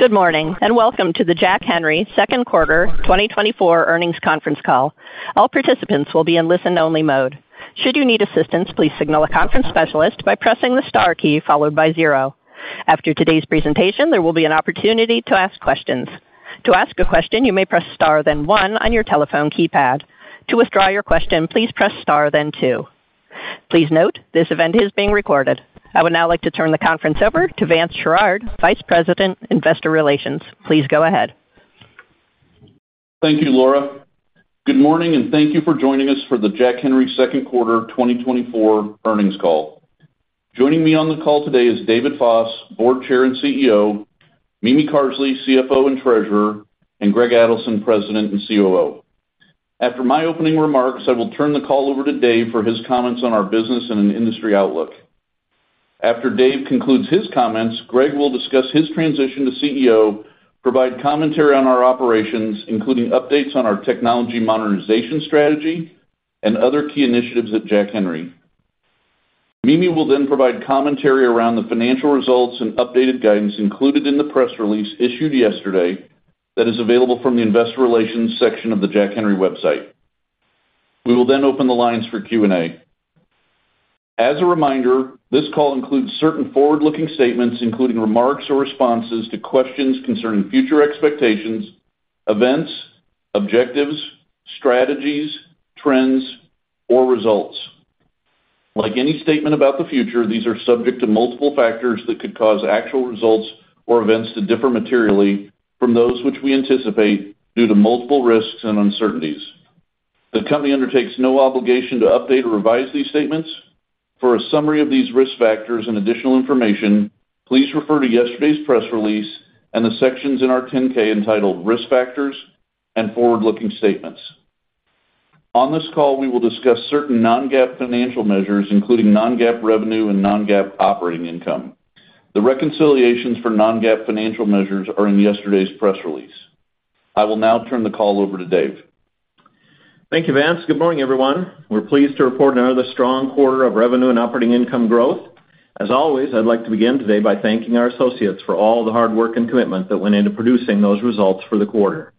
Good morning, and welcome to the Jack Henry second quarter 2024 earnings conference call. All participants will be in listen-only mode. Should you need assistance, please signal a conference specialist by pressing the star key followed by zero. After today's presentation, there will be an opportunity to ask questions. To ask a question, you may press star, then one on your telephone keypad. To withdraw your question, please press star, then two. Please note, this event is being recorded. I would now like to turn the conference over to Vance Sherard, Vice President, Investor Relations. Please go ahead. Thank you, Laura. Good morning, and thank you for joining us for the Jack Henry second quarter 2024 earnings call. Joining me on the call today is David Foss, Board Chair and CEO, Mimi Carsley, CFO and Treasurer, and Greg Adelson, President and COO. After my opening remarks, I will turn the call over to Dave for his comments on our business and an industry outlook. After Dave concludes his comments, Greg will discuss his transition to CEO, provide commentary on our operations, including updates on our technology modernization strategy and other key initiatives at Jack Henry. Mimi will then provide commentary around the financial results and updated guidance included in the press release issued yesterday that is available from the Investor Relations section of the Jack Henry website. We will then open the lines for Q&A. As a reminder, this call includes certain forward-looking statements, including remarks or responses to questions concerning future expectations, events, objectives, strategies, trends, or results. Like any statement about the future, these are subject to multiple factors that could cause actual results or events to differ materially from those which we anticipate due to multiple risks and uncertainties. The company undertakes no obligation to update or revise these statements. For a summary of these risk factors and additional information, please refer to yesterday's press release and the sections in our 10-K entitled Risk Factors and Forward-Looking Statements. On this call, we will discuss certain non-GAAP financial measures, including non-GAAP revenue and non-GAAP operating income. The reconciliations for non-GAAP financial measures are in yesterday's press release. I will now turn the call over to Dave. Thank you, Vance. Good morning, everyone. We're pleased to report another strong quarter of revenue and operating income growth. As always, I'd like to begin today by thanking our associates for all the hard work and commitment that went into producing those results for the quarter.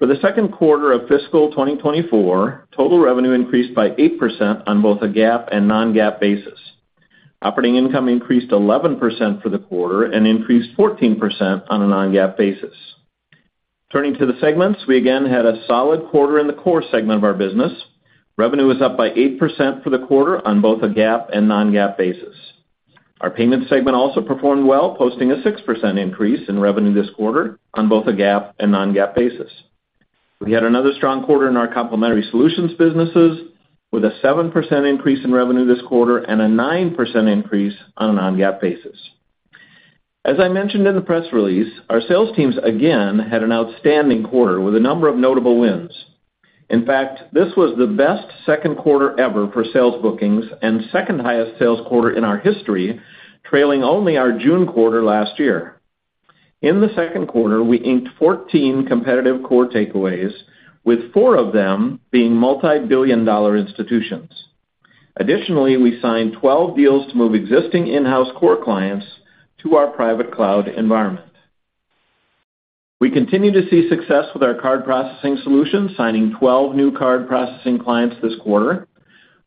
For the second quarter of fiscal 2024, total revenue increased by 8% on both a GAAP and non-GAAP basis. Operating income increased 11% for the quarter and increased 14% on a non-GAAP basis. Turning to the segments, we again had a solid quarter in the core segment of our business. Revenue was up by 8% for the quarter on both a GAAP and non-GAAP basis. Our payments segment also performed well, posting a 6% increase in revenue this quarter on both a GAAP and non-GAAP basis. We had another strong quarter in our complementary solutions businesses, with a 7% increase in revenue this quarter and a 9% increase on a non-GAAP basis. As I mentioned in the press release, our sales teams again had an outstanding quarter with a number of notable wins. In fact, this was the best second quarter ever for sales bookings and second-highest sales quarter in our history, trailing only our June quarter last year. In the second quarter, we inked 14 competitive core takeaways, with 4 of them being multi-billion dollar institutions. Additionally, we signed 12 deals to move existing in-house core clients to our private cloud environment. We continue to see success with our card processing solutions, signing 12 new card processing clients this quarter.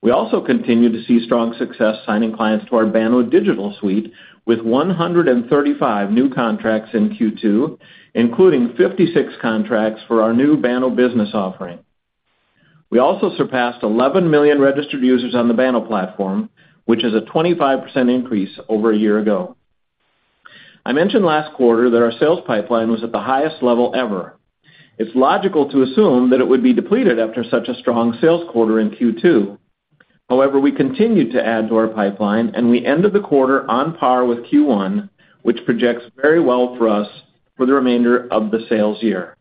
We also continue to see strong success signing clients to our Banno Digital Suite, with 135 new contracts in Q2, including 56 contracts for our new Banno Business offering. We also surpassed 11 million registered users on the Banno platform, which is a 25% increase over a year ago. I mentioned last quarter that our sales pipeline was at the highest level ever. It's logical to assume that it would be depleted after such a strong sales quarter in Q2. However, we continued to add to our pipeline, and we ended the quarter on par with Q1, which projects very well for us for the remainder of the sales year.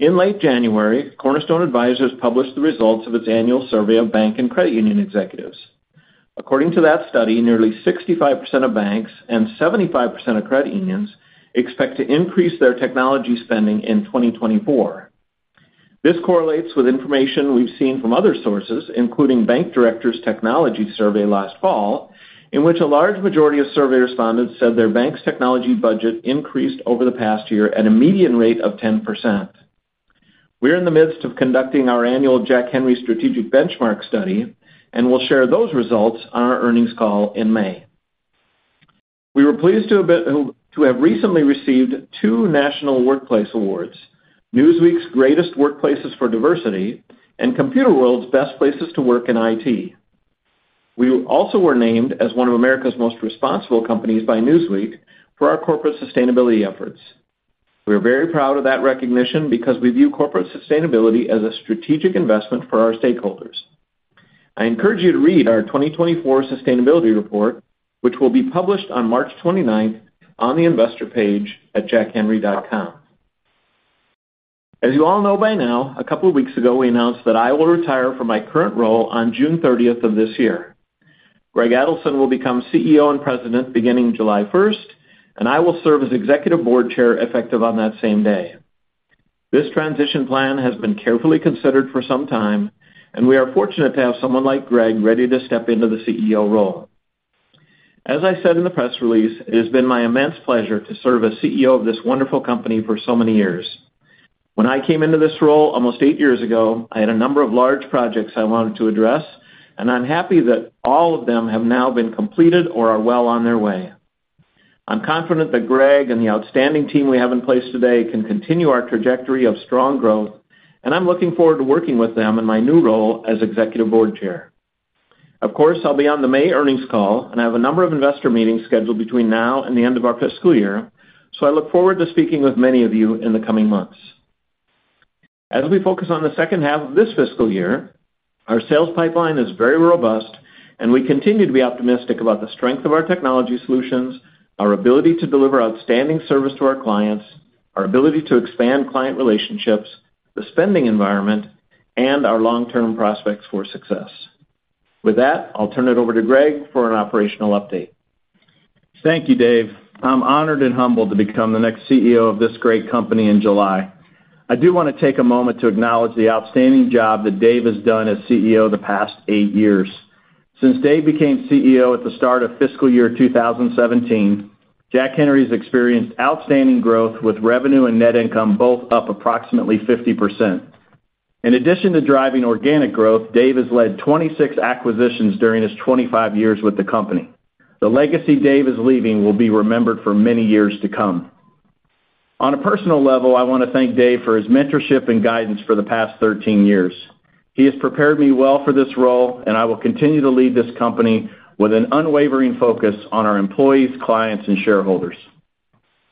In late January, Cornerstone Advisors published the results of its annual survey of bank and credit union executives. According to that study, nearly 65% of banks and 75% of credit unions expect to increase their technology spending in 2024. This correlates with information we've seen from other sources, including Bank Director's Technology Survey last fall, in which a large majority of survey respondents said their bank's technology budget increased over the past year at a median rate of 10%. We're in the midst of conducting our annual Jack Henry Strategic Benchmark study, and we'll share those results on our earnings call in May. We were pleased to have recently received two national workplace awards, Newsweek's Greatest Workplaces for Diversity and Computerworld's Best Places to Work in IT. We also were named as one of America's Most Responsible Companies by Newsweek for our corporate sustainability efforts. We are very proud of that recognition because we view corporate sustainability as a strategic investment for our stakeholders. I encourage you to read our 2024 sustainability report, which will be published on March 29th on the investor page at jackhenry.com. As you all know by now, a couple of weeks ago, we announced that I will retire from my current role on June 30th of this year. Greg Adelson will become CEO and President beginning July 1, and I will serve as Executive Board Chair, effective on that same day.... This transition plan has been carefully considered for some time, and we are fortunate to have someone like Greg ready to step into the CEO role. As I said in the press release, it has been my immense pleasure to serve as CEO of this wonderful company for so many years. When I came into this role almost eight years ago, I had a number of large projects I wanted to address, and I'm happy that all of them have now been completed or are well on their way. I'm confident that Greg and the outstanding team we have in place today can continue our trajectory of strong growth, and I'm looking forward to working with them in my new role as Executive Board Chair. Of course, I'll be on the May earnings call, and I have a number of investor meetings scheduled between now and the end of our fiscal year, so I look forward to speaking with many of you in the coming months. As we focus on the second half of this fiscal year, our sales pipeline is very robust, and we continue to be optimistic about the strength of our technology solutions, our ability to deliver outstanding service to our clients, our ability to expand client relationships, the spending environment, and our long-term prospects for success. With that, I'll turn it over to Greg for an operational update. Thank you, Dave. I'm honored and humbled to become the next CEO of this great company in July. I do want to take a moment to acknowledge the outstanding job that Dave has done as CEO the past 8 years. Since Dave became CEO at the start of fiscal year 2017, Jack Henry's experienced outstanding growth, with revenue and net income both up approximately 50%. In addition to driving organic growth, Dave has led 26 acquisitions during his 25 years with the company. The legacy Dave is leaving will be remembered for many years to come. On a personal level, I want to thank Dave for his mentorship and guidance for the past 13 years. He has prepared me well for this role, and I will continue to lead this company with an unwavering focus on our employees, clients, and shareholders.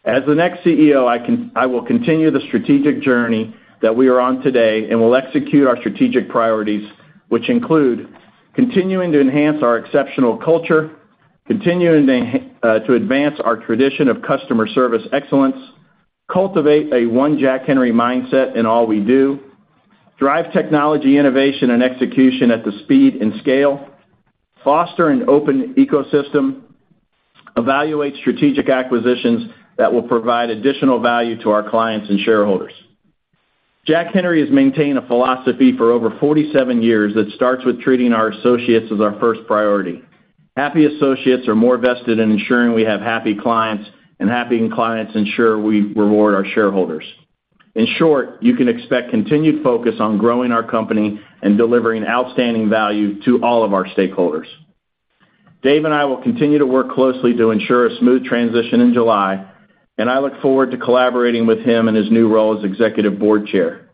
As the next CEO, I will continue the strategic journey that we are on today and will execute our strategic priorities, which include continuing to enhance our exceptional culture, continuing to advance our tradition of customer service excellence, cultivate a One Jack Henry mindset in all we do, drive technology innovation and execution at the speed and scale, foster an open ecosystem, evaluate strategic acquisitions that will provide additional value to our clients and shareholders. Jack Henry has maintained a philosophy for over 47 years that starts with treating our associates as our first priority. Happy associates are more vested in ensuring we have happy clients, and happy clients ensure we reward our shareholders. In short, you can expect continued focus on growing our company and delivering outstanding value to all of our stakeholders. Dave and I will continue to work closely to ensure a smooth transition in July, and I look forward to collaborating with him in his new role as Executive Board Chair.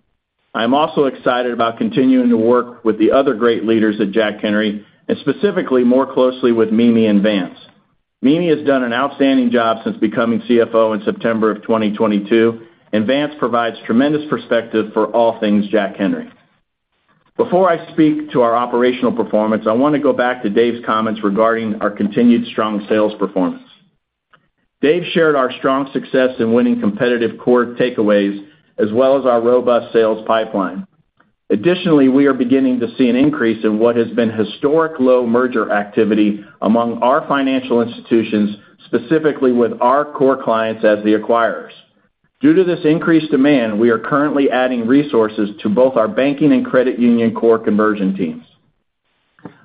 I'm also excited about continuing to work with the other great leaders at Jack Henry, and specifically more closely with Mimi and Vance. Mimi has done an outstanding job since becoming CFO in September 2022, and Vance provides tremendous perspective for all things Jack Henry. Before I speak to our operational performance, I want to go back to Dave's comments regarding our continued strong sales performance. Dave shared our strong success in winning competitive core takeaways, as well as our robust sales pipeline. Additionally, we are beginning to see an increase in what has been historically low merger activity among our financial institutions, specifically with our core clients as the acquirers. Due to this increased demand, we are currently adding resources to both our banking and credit union core conversion teams.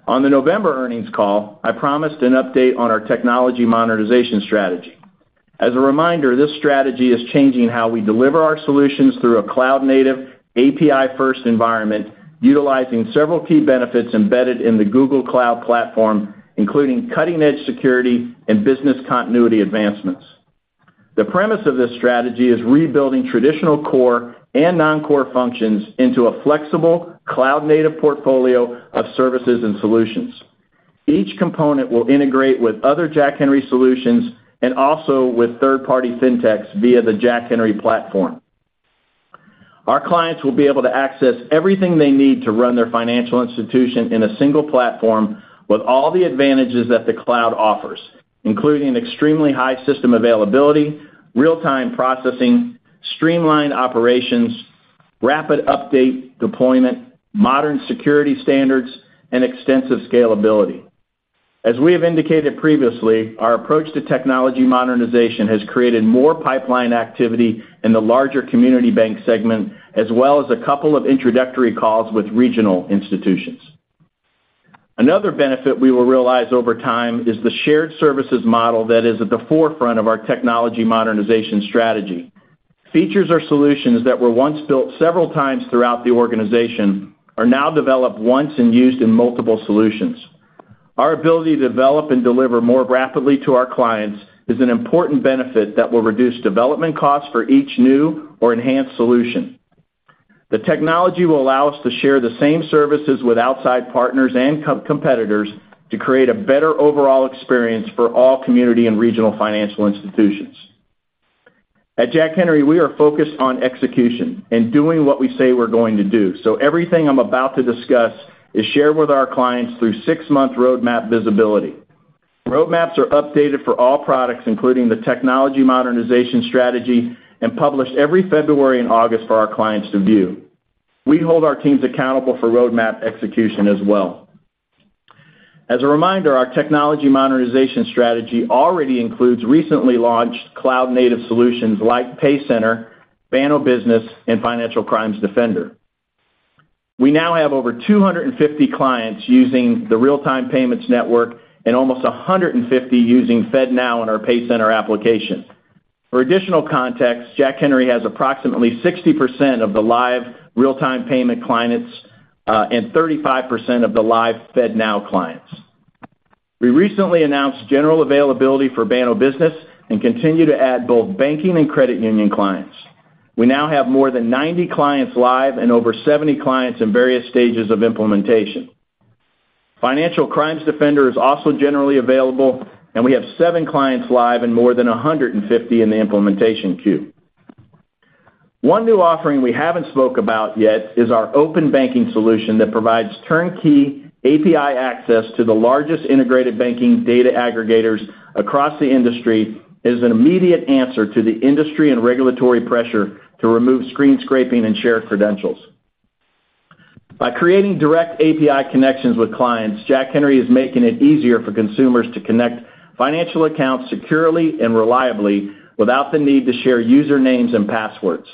On the November earnings call, I promised an update on our technology monetization strategy. As a reminder, this strategy is changing how we deliver our solutions through a cloud-native, API-first environment, utilizing several key benefits embedded in the Google Cloud platform, including cutting-edge security and business continuity advancements. The premise of this strategy is rebuilding traditional core and non-core functions into a flexible, cloud-native portfolio of services and solutions. Each component will integrate with other Jack Henry solutions and also with third-party fintechs via the Jack Henry Platform. Our clients will be able to access everything they need to run their financial institution in a single platform with all the advantages that the cloud offers, including extremely high system availability, real-time processing, streamlined operations, rapid update deployment, modern security standards, and extensive scalability. As we have indicated previously, our approach to technology modernization has created more pipeline activity in the larger community bank segment, as well as a couple of introductory calls with regional institutions. Another benefit we will realize over time is the shared services model that is at the forefront of our technology modernization strategy. Features or solutions that were once built several times throughout the organization are now developed once and used in multiple solutions. Our ability to develop and deliver more rapidly to our clients is an important benefit that will reduce development costs for each new or enhanced solution. The technology will allow us to share the same services with outside partners and competitors to create a better overall experience for all community and regional financial institutions. At Jack Henry, we are focused on execution and doing what we say we're going to do. So everything I'm about to discuss is shared with our clients through six-month roadmap visibility. Roadmaps are updated for all products, including the technology modernization strategy, and published every February and August for our clients to view. We hold our teams accountable for roadmap execution as well. As a reminder, our technology modernization strategy already includes recently launched cloud-native solutions like PayCenter, Banno Business, and Financial Crimes Defender. We now have over 250 clients using the real-time payments network and almost 150 using FedNow in our PayCenter application. For additional context, Jack Henry has approximately 60% of the live real-time payment clients, and 35% of the live FedNow clients. We recently announced general availability for Banno Business and continue to add both banking and credit union clients. We now have more than 90 clients live and over 70 clients in various stages of implementation. Financial Crimes Defender is also generally available, and we have seven clients live and more than 150 in the implementation queue. One new offering we haven't spoke about yet is our open banking solution that provides turnkey API access to the largest integrated banking data aggregators across the industry, as an immediate answer to the industry and regulatory pressure to remove screen scraping and shared credentials. By creating direct API connections with clients, Jack Henry is making it easier for consumers to connect financial accounts securely and reliably without the need to share usernames and passwords.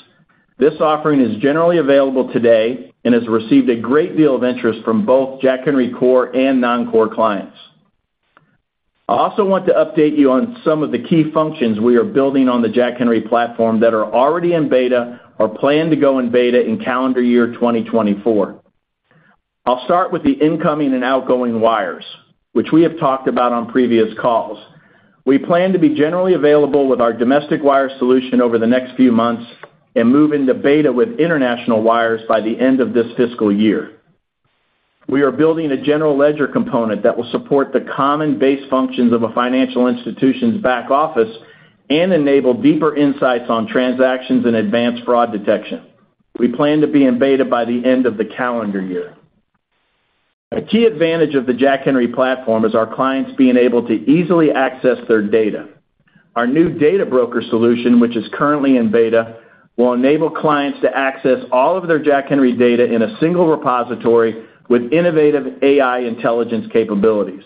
This offering is generally available today and has received a great deal of interest from both Jack Henry core and non-core clients. I also want to update you on some of the key functions we are building on the Jack Henry Platform that are already in beta or plan to go in beta in calendar year 2024. I'll start with the incoming and outgoing wires, which we have talked about on previous calls. We plan to be generally available with our domestic wire solution over the next few months and move into beta with international wires by the end of this fiscal year. We are building a general ledger component that will support the common base functions of a financial institution's back office and enable deeper insights on transactions and advanced fraud detection. We plan to be in beta by the end of the calendar year. A key advantage of the Jack Henry Platform is our clients being able to easily access their data. Our new Data Broker solution, which is currently in beta, will enable clients to access all of their Jack Henry data in a single repository with innovative AI intelligence capabilities.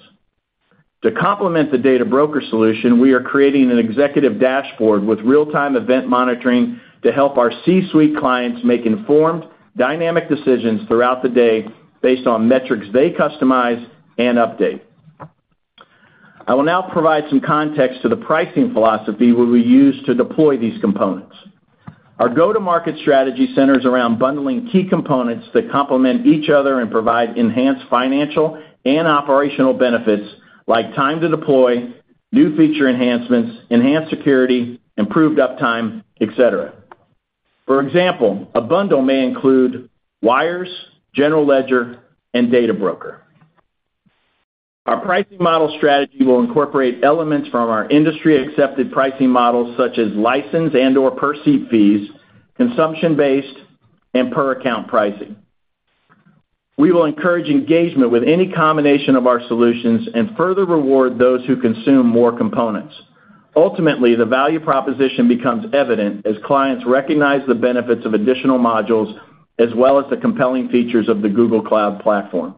To complement the Data Broker solution, we are creating an Executive Dashboard with real-time event monitoring to help our C-suite clients make informed, dynamic decisions throughout the day based on metrics they customize and update. I will now provide some context to the pricing philosophy we will use to deploy these components. Our go-to-market strategy centers around bundling key components that complement each other and provide enhanced financial and operational benefits like time to deploy, new feature enhancements, enhanced security, improved uptime, et cetera. For example, a bundle may include wires, general ledger, and Data Broker. Our pricing model strategy will incorporate elements from our industry-accepted pricing models, such as license and/or per-seat fees, consumption-based, and per-account pricing. We will encourage engagement with any combination of our solutions and further reward those who consume more components. Ultimately, the value proposition becomes evident as clients recognize the benefits of additional modules, as well as the compelling features of the Google Cloud platform.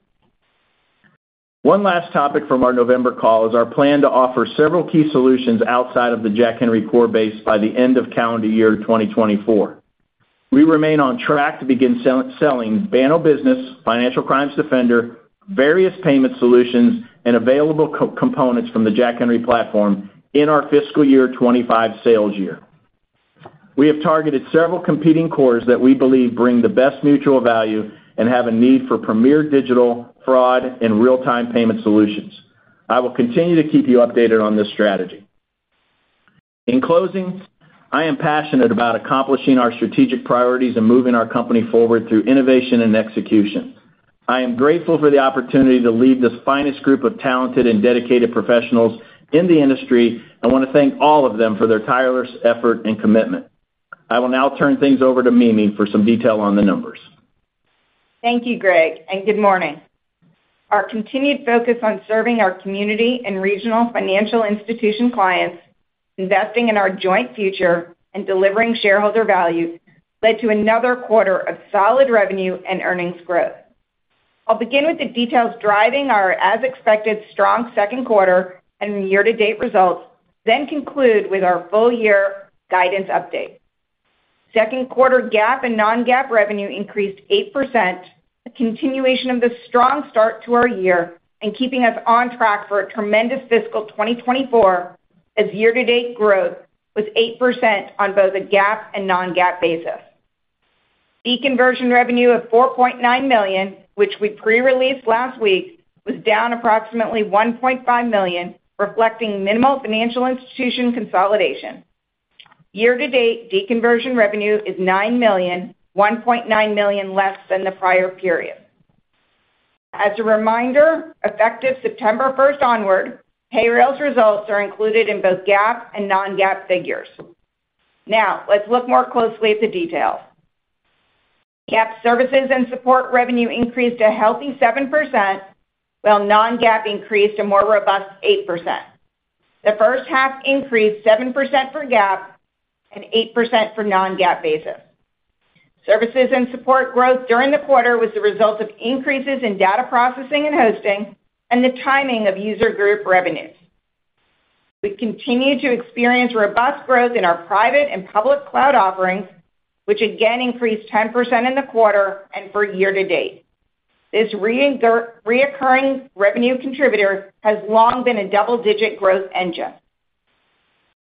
One last topic from our November call is our plan to offer several key solutions outside of the Jack Henry core base by the end of calendar year 2024. We remain on track to begin selling Banno Business, Financial Crimes Defender, various payment solutions, and available components from the Jack Henry Platform in our fiscal year 25 sales year. We have targeted several competing cores that we believe bring the best mutual value and have a need for premier digital, fraud, and real-time payment solutions. I will continue to keep you updated on this strategy. In closing, I am passionate about accomplishing our strategic priorities and moving our company forward through innovation and execution. I am grateful for the opportunity to lead this finest group of talented and dedicated professionals in the industry. I want to thank all of them for their tireless effort and commitment. I will now turn things over to Mimi for some detail on the numbers. Thank you, Greg, and good morning. Our continued focus on serving our community and regional financial institution clients, investing in our joint future, and delivering shareholder value led to another quarter of solid revenue and earnings growth. I'll begin with the details driving our as-expected strong second quarter and year-to-date results, then conclude with our full-year guidance update. Second quarter GAAP and non-GAAP revenue increased 8%, a continuation of the strong start to our year and keeping us on track for a tremendous fiscal 2024, as year-to-date growth was 8% on both a GAAP and non-GAAP basis. Deconversion revenue of $4.9 million, which we pre-released last week, was down approximately $1.5 million, reflecting minimal financial institution consolidation. Year-to-date, deconversion revenue is $9 million, $1.9 million less than the prior period. As a reminder, effective September 1 onward, Payrailz results are included in both GAAP and non-GAAP figures. Now, let's look more closely at the details. GAAP services and support revenue increased a healthy 7%, while non-GAAP increased a more robust 8%. The first half increased 7% for GAAP and 8% for non-GAAP basis. Services and support growth during the quarter was the result of increases in data processing and hosting and the timing of user group revenues. We continue to experience robust growth in our private and public cloud offerings, which again increased 10% in the quarter and for year-to-date. This recurring revenue contributor has long been a double-digit growth engine.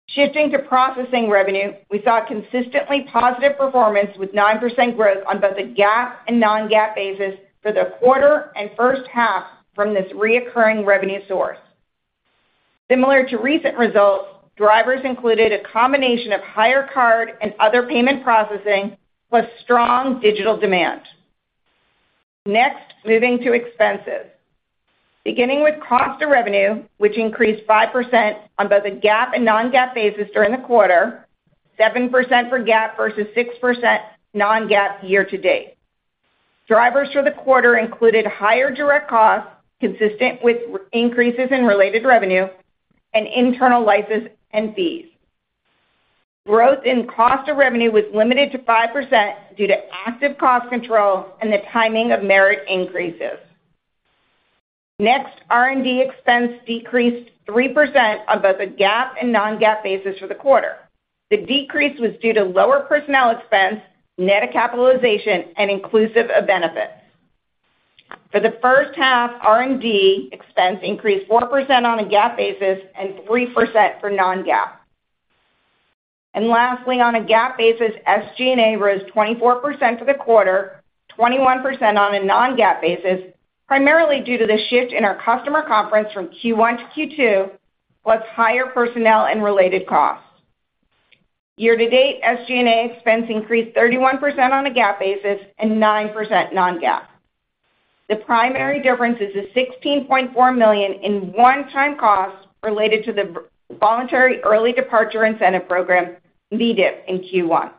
Shifting to processing revenue, we saw consistently positive performance, with 9% growth on both a GAAP and non-GAAP basis for the quarter and first half from this recurring revenue source. Similar to recent results, drivers included a combination of higher card and other payment processing, plus strong digital demand. Next, moving to expenses. Beginning with cost of revenue, which increased 5% on both a GAAP and non-GAAP basis during the quarter, 7% for GAAP versus 6% non-GAAP year-to-date. Drivers for the quarter included higher direct costs, consistent with increases in related revenue and internal license and fees. Growth in cost of revenue was limited to 5% due to active cost control and the timing of merit increases. Next, R&D expense decreased 3% on both a GAAP and non-GAAP basis for the quarter. The decrease was due to lower personnel expense, net of capitalization and inclusive of benefits. For the first half, R&D expense increased 4% on a GAAP basis and 3% for non-GAAP. And lastly, on a GAAP basis, SG&A rose 24% for the quarter, 21% on a non-GAAP basis, primarily due to the shift in our customer conference from Q1 to Q2, plus higher personnel and related costs. Year-to-date, SG&A expense increased 31% on a GAAP basis and 9% non-GAAP. The primary difference is a $16.4 million in one-time costs related to the voluntary early departure incentive program, VEDIP, in Q1.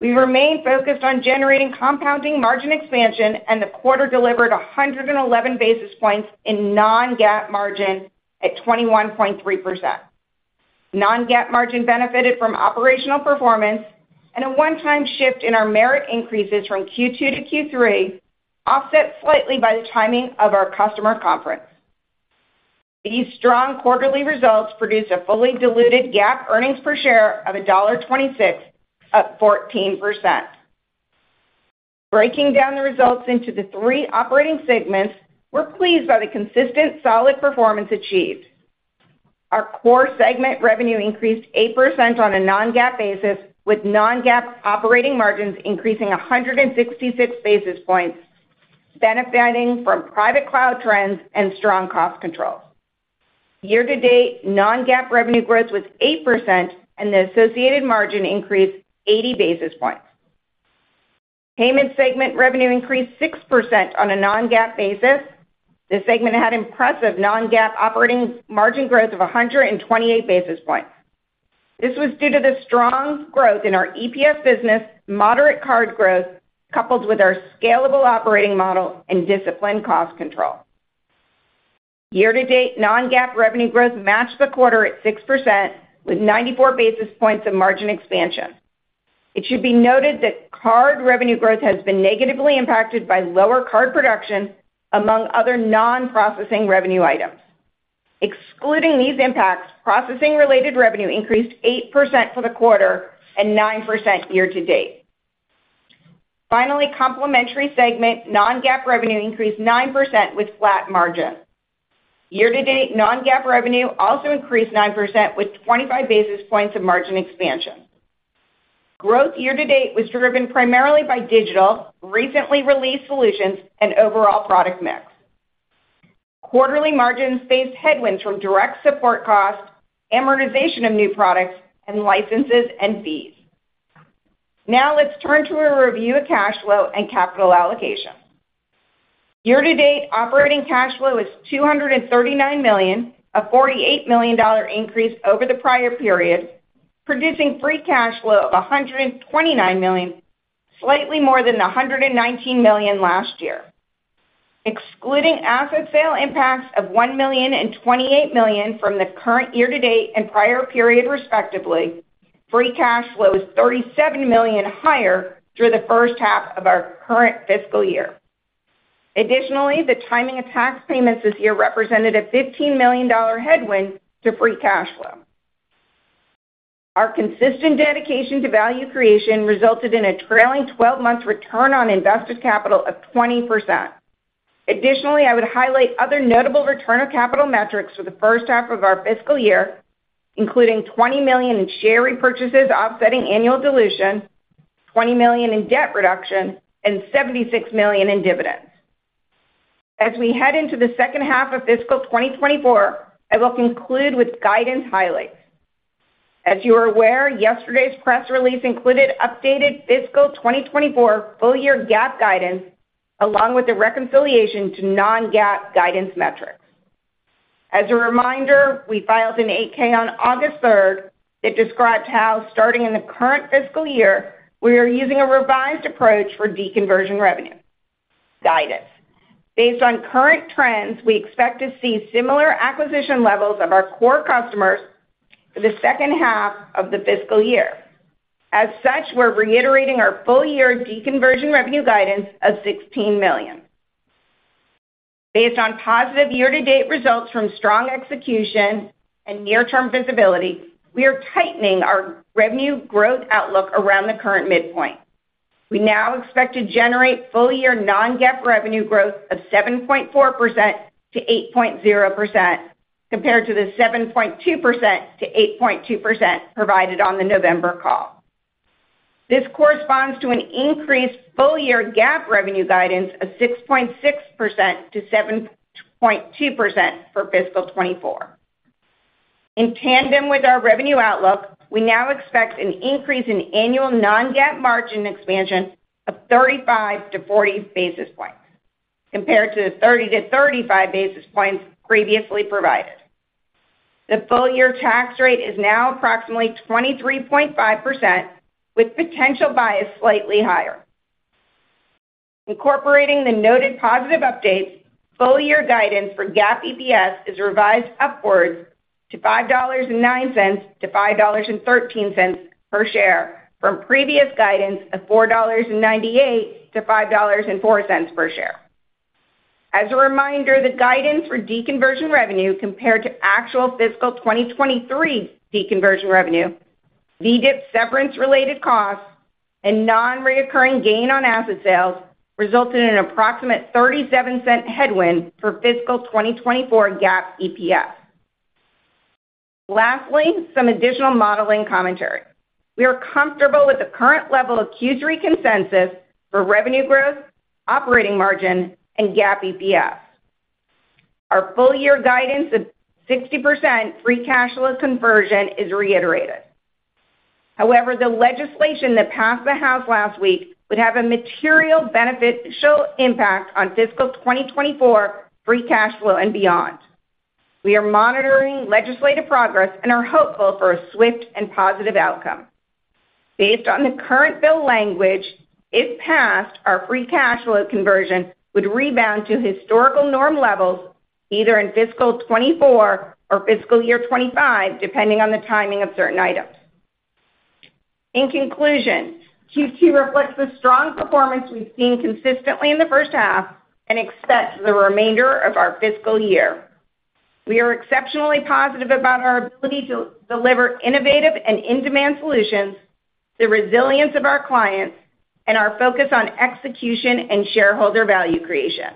We remain focused on generating compounding margin expansion, and the quarter delivered 111 basis points in non-GAAP margin at 21.3%. Non-GAAP margin benefited from operational performance and a one-time shift in our merit increases from Q2 to Q3, offset slightly by the timing of our customer conference. These strong quarterly results produced a fully diluted GAAP earnings per share of $1.26, up 14%. Breaking down the results into the three operating segments, we're pleased by the consistent solid performance achieved. Our core segment revenue increased 8% on a non-GAAP basis, with non-GAAP operating margins increasing 166 basis points, benefiting from private cloud trends and strong cost control. Year-to-date, non-GAAP revenue growth was 8%, and the associated margin increased 80 basis points. Payments segment revenue increased 6% on a non-GAAP basis. This segment had impressive non-GAAP operating margin growth of 128 basis points. This was due to the strong growth in our EPS business, moderate card growth, coupled with our scalable operating model and disciplined cost control. Year-to-date, non-GAAP revenue growth matched the quarter at 6%, with 94 basis points of margin expansion. It should be noted that card revenue growth has been negatively impacted by lower card production, among other non-processing revenue items. Excluding these impacts, processing-related revenue increased 8% for the quarter and 9% year-to-date. Finally, complementary segment non-GAAP revenue increased 9% with flat margin. Year-to-date, non-GAAP revenue also increased 9% with 25 basis points of margin expansion. Growth year-to-date was driven primarily by digital, recently released solutions and overall product mix. Quarterly margins faced headwinds from direct support costs, amortization of new products and licenses and fees. Now, let's turn to a review of cash flow and capital allocation. Year-to-date, operating cash flow is $239 million, a $48 million increase over the prior period, producing free cash flow of $129 million, slightly more than the $119 million last year. Excluding asset sale impacts of $1 million and $28 million from the current year-to-date and prior period, respectively, free cash flow is $37 million higher through the first half of our current fiscal year. Additionally, the timing of tax payments this year represented a $15 million headwind to free cash flow. Our consistent dedication to value creation resulted in a trailing twelve-month return on invested capital of 20%. Additionally, I would highlight other notable return of capital metrics for the first half of our fiscal year, including $20 million in share repurchases offsetting annual dilution, $20 million in debt reduction, and $76 million in dividends. As we head into the second half of fiscal 2024, I will conclude with guidance highlights. As you are aware, yesterday's press release included updated fiscal 2024 full-year GAAP guidance, along with the reconciliation to non-GAAP guidance metrics. As a reminder, we filed an 8-K on August 3 that describes how, starting in the current fiscal year, we are using a revised approach for deconversion revenue guidance. Based on current trends, we expect to see similar acquisition levels of our core customers for the second half of the fiscal year. As such, we're reiterating our full year deconversion revenue guidance of $16 million. Based on positive year-to-date results from strong execution and near-term visibility, we are tightening our revenue growth outlook around the current midpoint. We now expect to generate full-year non-GAAP revenue growth of 7.4%-8.0%, compared to the 7.2%-8.2% provided on the November call. This corresponds to an increased full-year GAAP revenue guidance of 6.6%-7.2% for fiscal 2024. In tandem with our revenue outlook, we now expect an increase in annual non-GAAP margin expansion of 35-40 basis points, compared to the 30-35 basis points previously provided. The full-year tax rate is now approximately 23.5%, with potential bias slightly higher. Incorporating the noted positive updates, full-year guidance for GAAP EPS is revised upwards to $5.09-$5.13 per share, from previous guidance of $4.98-$5.04 per share. As a reminder, the guidance for deconversion revenue compared to actual fiscal 2023 deconversion revenue, VEDIP severance-related costs, and non-recurring gain on asset sales resulted in an approximate $0.37 headwind for fiscal 2024 GAAP EPS. Lastly, some additional modeling commentary. We are comfortable with the current level of Q3 consensus for revenue growth, operating margin, and GAAP EPS. Our full-year guidance of 60% free cash flow conversion is reiterated. However, the legislation that passed the House last week would have a material benefit—significant impact on fiscal 2024 free cash flow and beyond. We are monitoring legislative progress and are hopeful for a swift and positive outcome. Based on the current bill language, if passed, our free cash flow conversion would rebound to historical norm levels either in fiscal 2024 or fiscal year 2025, depending on the timing of certain items. In conclusion, Q2 reflects the strong performance we've seen consistently in the first half and expects the remainder of our fiscal year. We are exceptionally positive about our ability to deliver innovative and in-demand solutions, the resilience of our clients, and our focus on execution and shareholder value creation.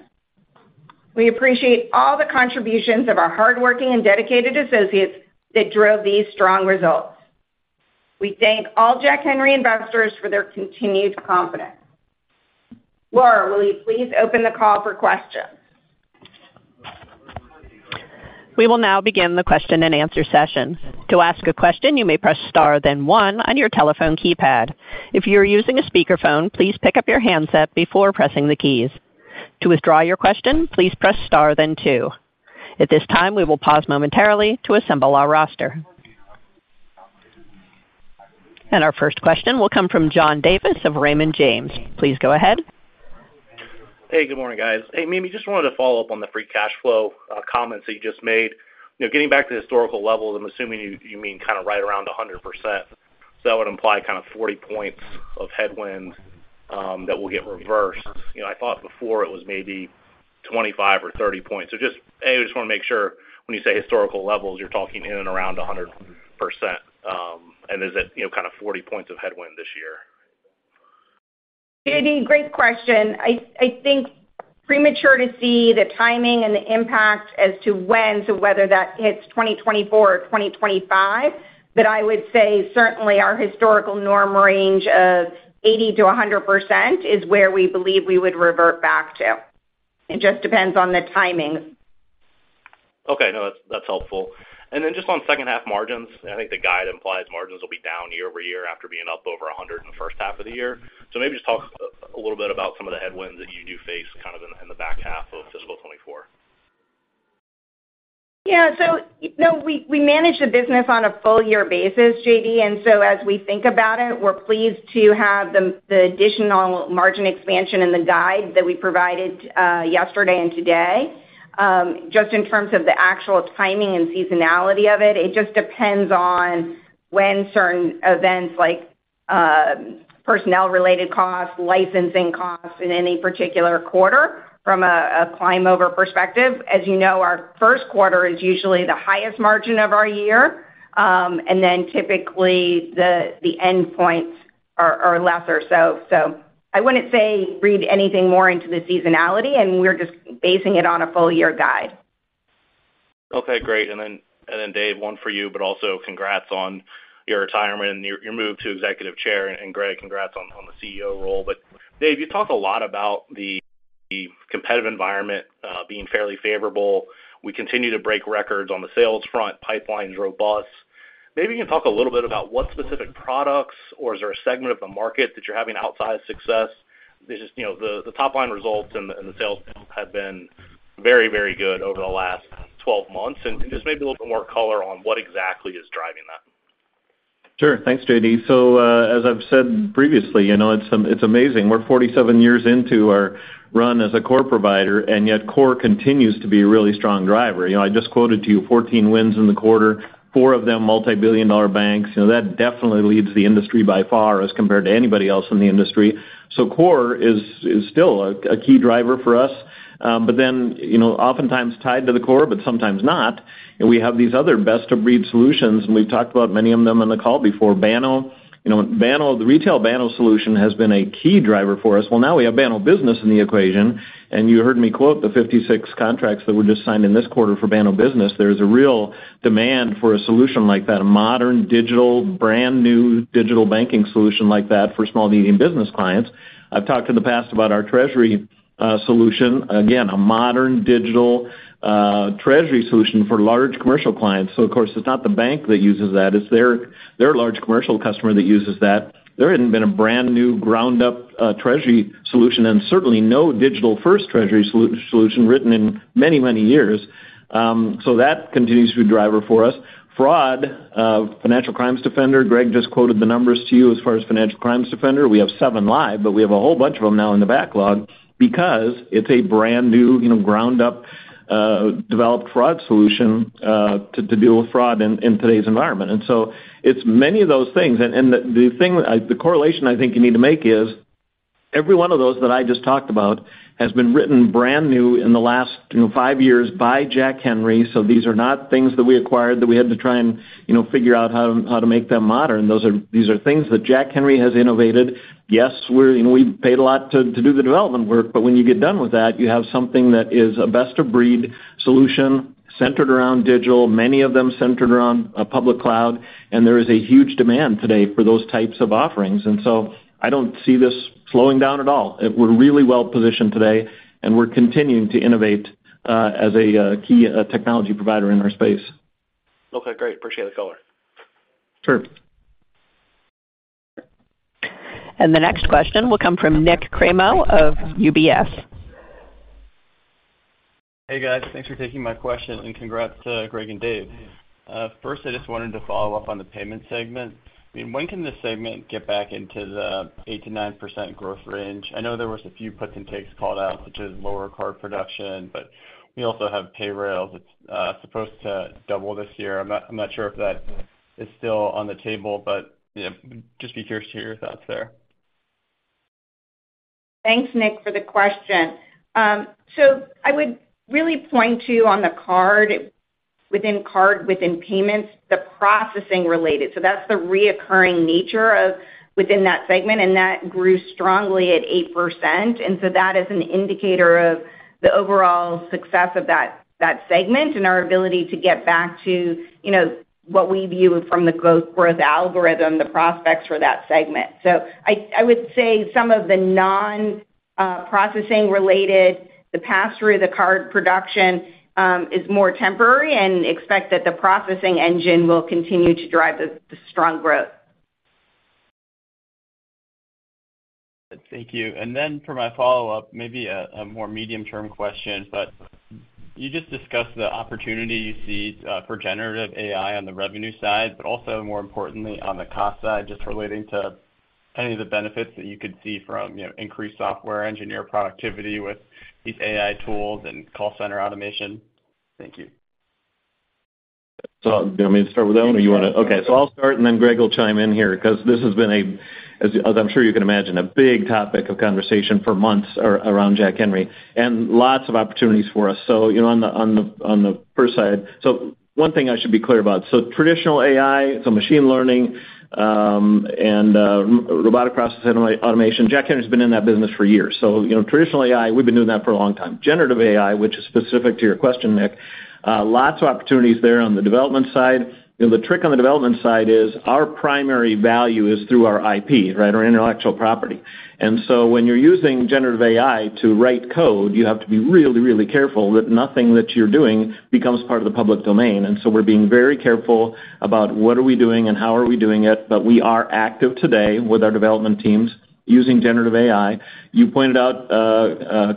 We appreciate all the contributions of our hardworking and dedicated associates that drove these strong results. We thank all Jack Henry investors for their continued confidence. Laura, will you please open the call for questions? We will now begin the question-and-answer session. To ask a question, you may press star then one on your telephone keypad. If you are using a speakerphone, please pick up your handset before pressing the keys. To withdraw your question, please press star then two. At this time, we will pause momentarily to assemble our roster. Our first question will come from John Davis of Raymond James. Please go ahead. Hey, good morning, guys. Hey, Mimi, just wanted to follow up on the free cash flow comments that you just made. You know, getting back to the historical levels, I'm assuming you, you mean kind of right around 100%. So that would imply kind of 40 points of headwind that will get reversed. You know, I thought before it was maybe 25 or 30 points. So just, A, I just wanna make sure when you say historical levels, you're talking in and around 100%, and is it, you know, kind of 40 points of headwind this year? JD, great question. I think premature to see the timing and the impact as to when to whether that hits 2024 or 2025. But I would say certainly our historical norm range of 80%-100% is where we believe we would revert back to. It just depends on the timing. Okay. No, that's, that's helpful. And then just on second half margins, I think the guide implies margins will be down year-over-year after being up over 100 in the first half of the year. So maybe just talk a little bit about some of the headwinds that you do face kind of in, in the back half of fiscal 2024. Yeah. So, you know, we manage the business on a full year basis, JD, and so as we think about it, we're pleased to have the additional margin expansion in the guide that we provided yesterday and today. Just in terms of the actual timing and seasonality of it, it just depends on when certain events like personnel-related costs, licensing costs in any particular quarter from a climb over perspective. As you know, our first quarter is usually the highest margin of our year, and then typically, the endpoints are lesser. So I wouldn't say read anything more into the seasonality, and we're just basing it on a full-year guide. Okay, great. And then Dave, one for you, but also congrats on your retirement and your, your move to Executive Chair. And Greg, congrats on the CEO role. But Dave, you talk a lot about the, the competitive environment being fairly favorable. We continue to break records on the sales front, pipeline's robust. Maybe you can talk a little bit about what specific products, or is there a segment of the market that you're having outsized success? Just, you know, the top-line results and the sales have been very, very good over the last 12 months, and just maybe a little bit more color on what exactly is driving that. ... Sure. Thanks, JD. So, as I've said previously, you know, it's amazing. We're 47 years into our run as a core provider, and yet core continues to be a really strong driver. You know, I just quoted to you 14 wins in the quarter, 4 of them multibillion-dollar banks. You know, that definitely leads the industry by far as compared to anybody else in the industry. So core is still a key driver for us. But then, you know, oftentimes tied to the core, but sometimes not, and we have these other best-of-breed solutions, and we've talked about many of them on the call before. Banno. You know, Banno, the retail Banno solution, has been a key driver for us. Well, now we have Banno Business in the equation, and you heard me quote the 56 contracts that were just signed in this quarter for Banno Business. There's a real demand for a solution like that, a modern, digital, brand-new digital banking solution like that for small-medium business clients. I've talked in the past about our treasury solution. Again, a modern digital treasury solution for large commercial clients. So of course, it's not the bank that uses that. It's their large commercial customer that uses that. There hadn't been a brand-new, ground-up treasury solution, and certainly no digital-first treasury solution written in many, many years. So that continues to be a driver for us. Fraud, Financial Crimes Defender. Greg just quoted the numbers to you as far as Financial Crimes Defender. We have 7 live, but we have a whole bunch of them now in the backlog because it's a brand-new, you know, ground-up, developed fraud solution, to deal with fraud in today's environment. And so it's many of those things. And the correlation I think you need to make is, every one of those that I just talked about has been written brand new in the last, you know, 5 years by Jack Henry. So these are not things that we acquired, that we had to try and, you know, figure out how to make them modern. These are things that Jack Henry has innovated. Yes, we're, you know, we've paid a lot to do the development work, but when you get done with that, you have something that is a best-of-breed solution centered around digital, many of them centered around a public cloud, and there is a huge demand today for those types of offerings. And so I don't see this slowing down at all. We're really well positioned today, and we're continuing to innovate as a key technology provider in our space. Okay, great. Appreciate the color. Sure. The next question will come from Nik Cremo of UBS. Hey, guys. Thanks for taking my question, and congrats to Greg and Dave. First, I just wanted to follow up on the payment segment. I mean, when can this segment get back into the 8%-9% growth range? I know there was a few puts and takes called out, which is lower card production, but we also have Payrail. It's supposed to double this year. I'm not, I'm not sure if that is still on the table, but, you know, just be curious to hear your thoughts there. Thanks, Nik, for the question. So I would really point you on the card, within card, within payments, the processing related. So that's the recurring nature of within that segment, and that grew strongly at 8%. And so that is an indicator of the overall success of that segment and our ability to get back to, you know, what we view from the growth, growth algorithm, the prospects for that segment. So I would say some of the non-processing related, the pass-through, the card production, is more temporary and expect that the processing engine will continue to drive the strong growth. Thank you. And then for my follow-up, maybe a more medium-term question, but you just discussed the opportunity you see for generative AI on the revenue side, but also, more importantly, on the cost side, just relating to any of the benefits that you could see from, you know, increased software engineer productivity with these AI tools and call center automation. Thank you. So you want me to start with that one, or you want to- Sure. Okay, so I'll start, and then Greg will chime in here because this has been, as I'm sure you can imagine, a big topic of conversation for months around Jack Henry, and lots of opportunities for us. So, you know, on the first side. So one thing I should be clear about: so traditional AI, so machine learning, and robotic process automation, Jack Henry has been in that business for years. So, you know, traditional AI, we've been doing that for a long time. Generative AI, which is specific to your question, Nik, lots of opportunities there on the development side. You know, the trick on the development side is our primary value is through our IP, right? Our intellectual property. When you're using generative AI to write code, you have to be really, really careful that nothing that you're doing becomes part of the public domain. We're being very careful about what are we doing and how are we doing it, but we are active today with our development teams using generative AI. You pointed out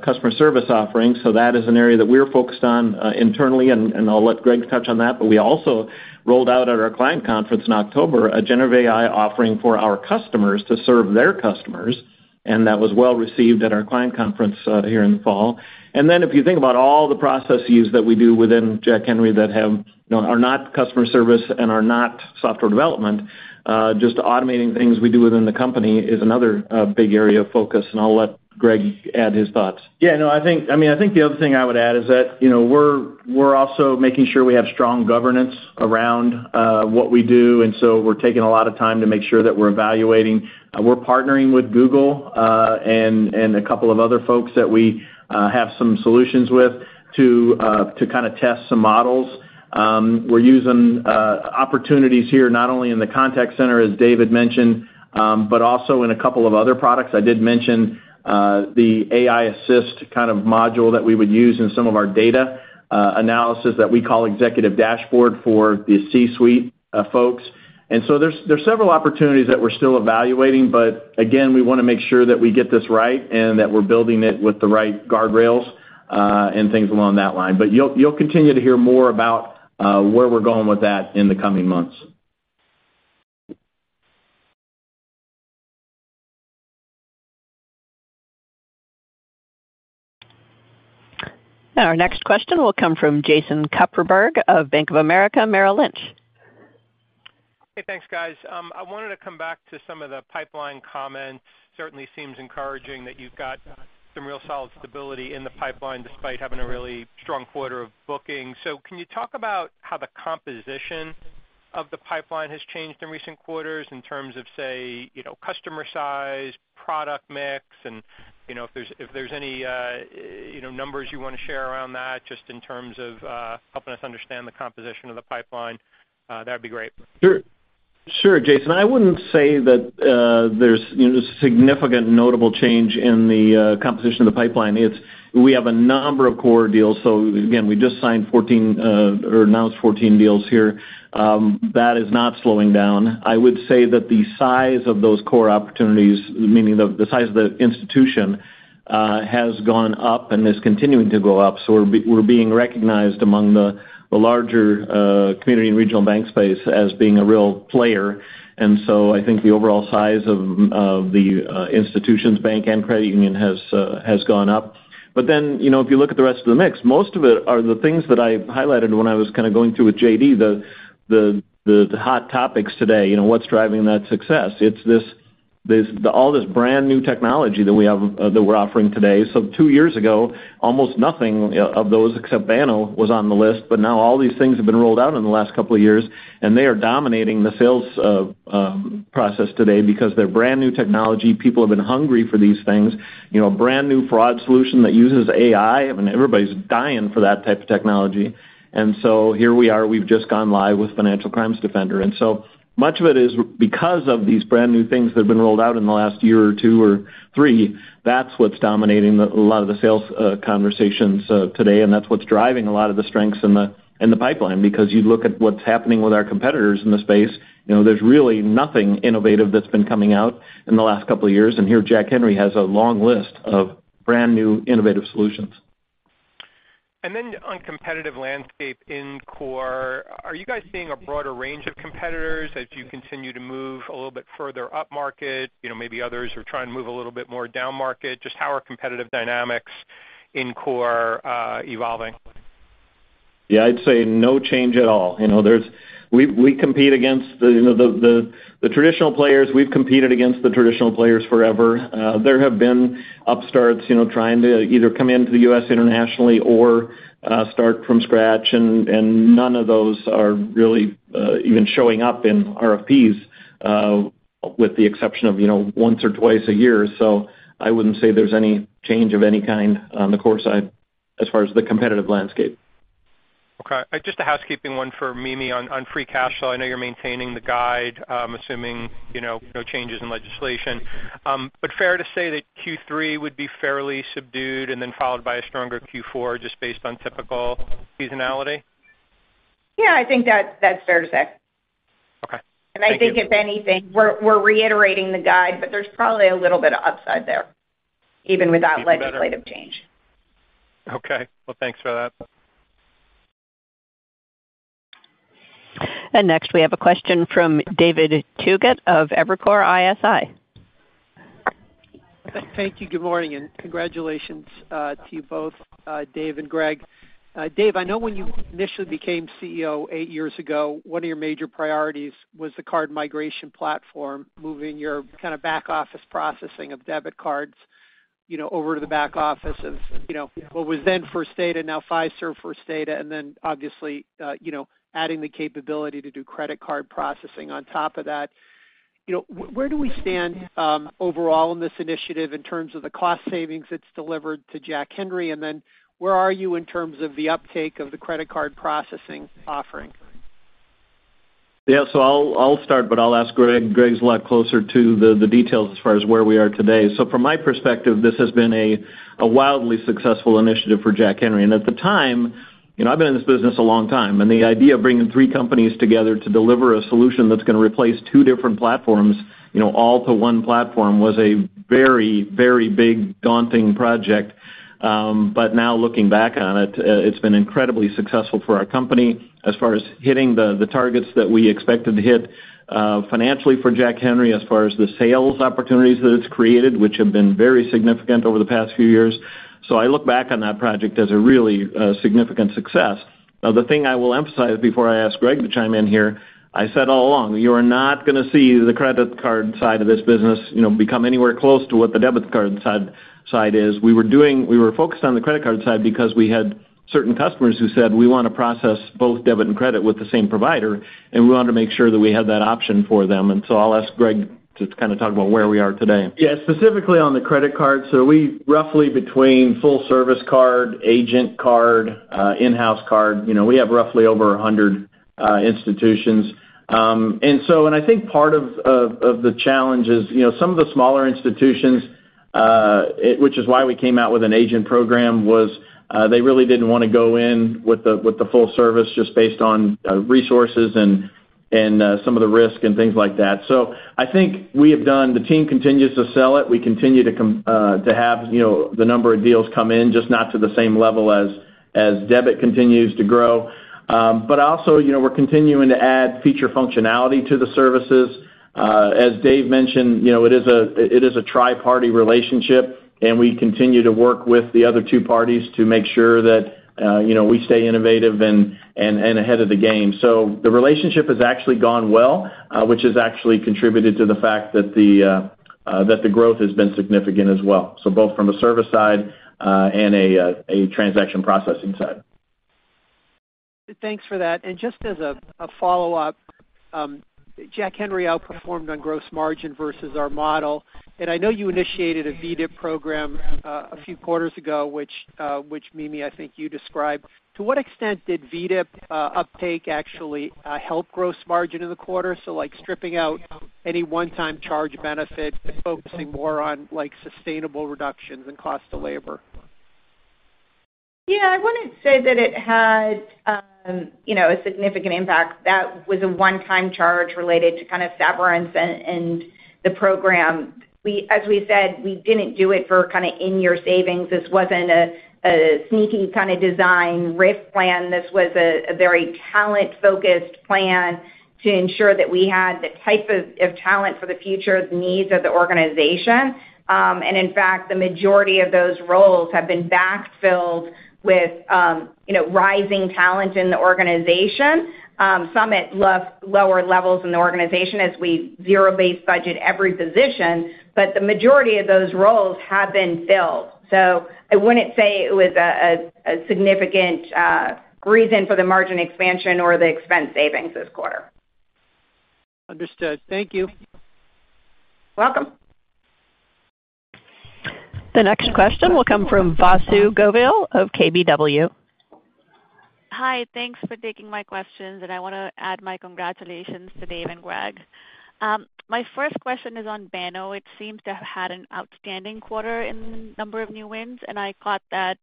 customer service offerings, so that is an area that we're focused on internally, and I'll let Greg touch on that. We also rolled out at our client conference in October a generative AI offering for our customers to serve their customers, and that was well-received at our client conference here in the fall. And then if you think about all the processes that we do within Jack Henry that have, you know, are not customer service and are not software development, just automating things we do within the company is another big area of focus, and I'll let Greg add his thoughts. Yeah, no, I think... I mean, I think the other thing I would add is that, you know, we're, we're also making sure we have strong governance around what we do, and so we're taking a lot of time to make sure that we're evaluating. We're partnering with Google and a couple of other folks that we have some solutions with to kind of test some models. We're using opportunities here, not only in the contact center, as David mentioned, but also in a couple of other products. I did mention the AI Assist kind of module that we would use in some of our data analysis that we call Executive Dashboard for the C-suite folks. And so there's several opportunities that we're still evaluating, but again, we want to make sure that we get this right and that we're building it with the right guardrails.... and things along that line. But you'll, you'll continue to hear more about where we're going with that in the coming months. Our next question will come from Jason Kupferberg of Bank of America, Merrill Lynch. Hey, thanks, guys. I wanted to come back to some of the pipeline comments. Certainly seems encouraging that you've got some real solid stability in the pipeline, despite having a really strong quarter of bookings. So can you talk about how the composition of the pipeline has changed in recent quarters in terms of, say, you know, customer size, product mix, and, you know, if there's, if there's any, you know, numbers you want to share around that, just in terms of, helping us understand the composition of the pipeline, that'd be great. Sure, Jason. I wouldn't say that, there's, you know, significant notable change in the, composition of the pipeline. We have a number of core deals. So again, we just signed 14, or announced 14 deals here, that is not slowing down. I would say that the size of those core opportunities, meaning the size of the institution, has gone up and is continuing to go up. So we're being recognized among the larger, community and regional bank space as being a real player. And so I think the overall size of the institutions, bank and credit union has gone up. But then, you know, if you look at the rest of the mix, most of it are the things that I highlighted when I was kind of going through with JD, the hot topics today, you know, what's driving that success? It's this all this brand new technology that we have that we're offering today. So two years ago, almost nothing of those, except Banno, was on the list. But now all these things have been rolled out in the last couple of years, and they are dominating the sales process today because they're brand new technology. People have been hungry for these things, you know, brand new fraud solution that uses AI, I mean, everybody's dying for that type of technology. And so here we are, we've just gone live with Financial Crimes Defender. And so much of it is because of these brand new things that have been rolled out in the last year or two or three, that's what's dominating a lot of the sales conversations today. And that's what's driving a lot of the strengths in the pipeline, because you look at what's happening with our competitors in the space, you know, there's really nothing innovative that's been coming out in the last couple of years. And here, Jack Henry has a long list of brand new innovative solutions. And then on competitive landscape in core, are you guys seeing a broader range of competitors as you continue to move a little bit further upmarket? You know, maybe others are trying to move a little bit more downmarket. Just how are competitive dynamics in core evolving? Yeah, I'd say no change at all. You know, there's—we compete against the, you know, the traditional players. We've competed against the traditional players forever. There have been upstarts, you know, trying to either come into the U.S. internationally or start from scratch, and none of those are really even showing up in RFPs, with the exception of, you know, once or twice a year. So I wouldn't say there's any change of any kind on the core side as far as the competitive landscape. Okay. Just a housekeeping one for Mimi on free cash flow. I know you're maintaining the guide, assuming, you know, no changes in legislation. But fair to say that Q3 would be fairly subdued and then followed by a stronger Q4, just based on typical seasonality? Yeah, I think that's, that's fair to say. Okay. Thank you. And I think if anything, we're reiterating the guide, but there's probably a little bit of upside there, even without- Even better. Legislative change. Okay. Well, thanks for that. Next, we have a question from David Togut of Evercore ISI. Thank you. Good morning, and congratulations, to you both, Dave and Greg. Dave, I know when you initially became CEO 8 years ago, one of your major priorities was the card migration platform, moving your kind of back office processing of debit cards, you know, over to the back office of, you know, what was then First Data, now Fiserv First Data, and then obviously, you know, adding the capability to do credit card processing on top of that. You know, where do we stand, overall in this initiative in terms of the cost savings it's delivered to Jack Henry? And then where are you in terms of the uptake of the credit card processing offering? Yeah, so I'll start, but I'll ask Greg. Greg's a lot closer to the details as far as where we are today. So from my perspective, this has been a wildly successful initiative for Jack Henry. And at the time, you know, I've been in this business a long time, and the idea of bringing three companies together to deliver a solution that's going to replace two different platforms, you know, all to one platform, was a very, very big, daunting project. But now looking back on it, it's been incredibly successful for our company as far as hitting the targets that we expected to hit, financially for Jack Henry, as far as the sales opportunities that it's created, which have been very significant over the past few years. So I look back on that project as a really significant success. Now, the thing I will emphasize before I ask Greg to chime in here, I said all along, you are not going to see the credit card side of this business, you know, become anywhere close to what the debit card side is. We were focused on the credit card side because we had certain customers who said, "We want to process both debit and credit with the same provider," and we wanted to make sure that we had that option for them. And so I'll ask Greg to kind of talk about where we are today. Yeah, specifically on the credit card. So we roughly between full service card, agent card, in-house card, you know, we have roughly over 100 institutions. And so and I think part of the challenge is, you know, some of the smaller institutions, which is why we came out with an agent program, was they really didn't want to go in with the full service just based on resources and and some of the risk and things like that. So I think we have done the team continues to sell it. We continue to have, you know, the number of deals come in, just not to the same level as debit continues to grow. But also, you know, we're continuing to add feature functionality to the services. As Dave mentioned, you know, it is a tri-party relationship, and we continue to work with the other two parties to make sure that, you know, we stay innovative and ahead of the game. So the relationship has actually gone well, which has actually contributed to the fact that the growth has been significant as well, so both from a service side and a transaction processing side. Thanks for that. And just as a follow-up, Jack Henry outperformed on gross margin versus our model, and I know you initiated a VEDIP program a few quarters ago, which, which, Mimi, I think you described. To what extent did VEDIP uptake actually help gross margin in the quarter? So like stripping out any one-time charge benefit and focusing more on, like, sustainable reductions in cost of labor. Yeah, I wouldn't say that it had, you know, a significant impact. That was a one-time charge related to kind of severance and the program. We—as we said, we didn't do it for kind of in-year savings. This wasn't a sneaky kind of design RIF plan. This was a very talent-focused plan to ensure that we had the type of talent for the future needs of the organization. And in fact, the majority of those roles have been backfilled with, you know, rising talent in the organization, some at lower levels in the organization as we zero-based budget every position, but the majority of those roles have been filled. So I wouldn't say it was a significant reason for the margin expansion or the expense savings this quarter. Understood. Thank you. Welcome! The next question will come from Vasu Govil of KBW. Hi, thanks for taking my questions, and I want to add my congratulations to Dave and Greg. My first question is on Banno. It seems to have had an outstanding quarter in number of new wins, and I thought that,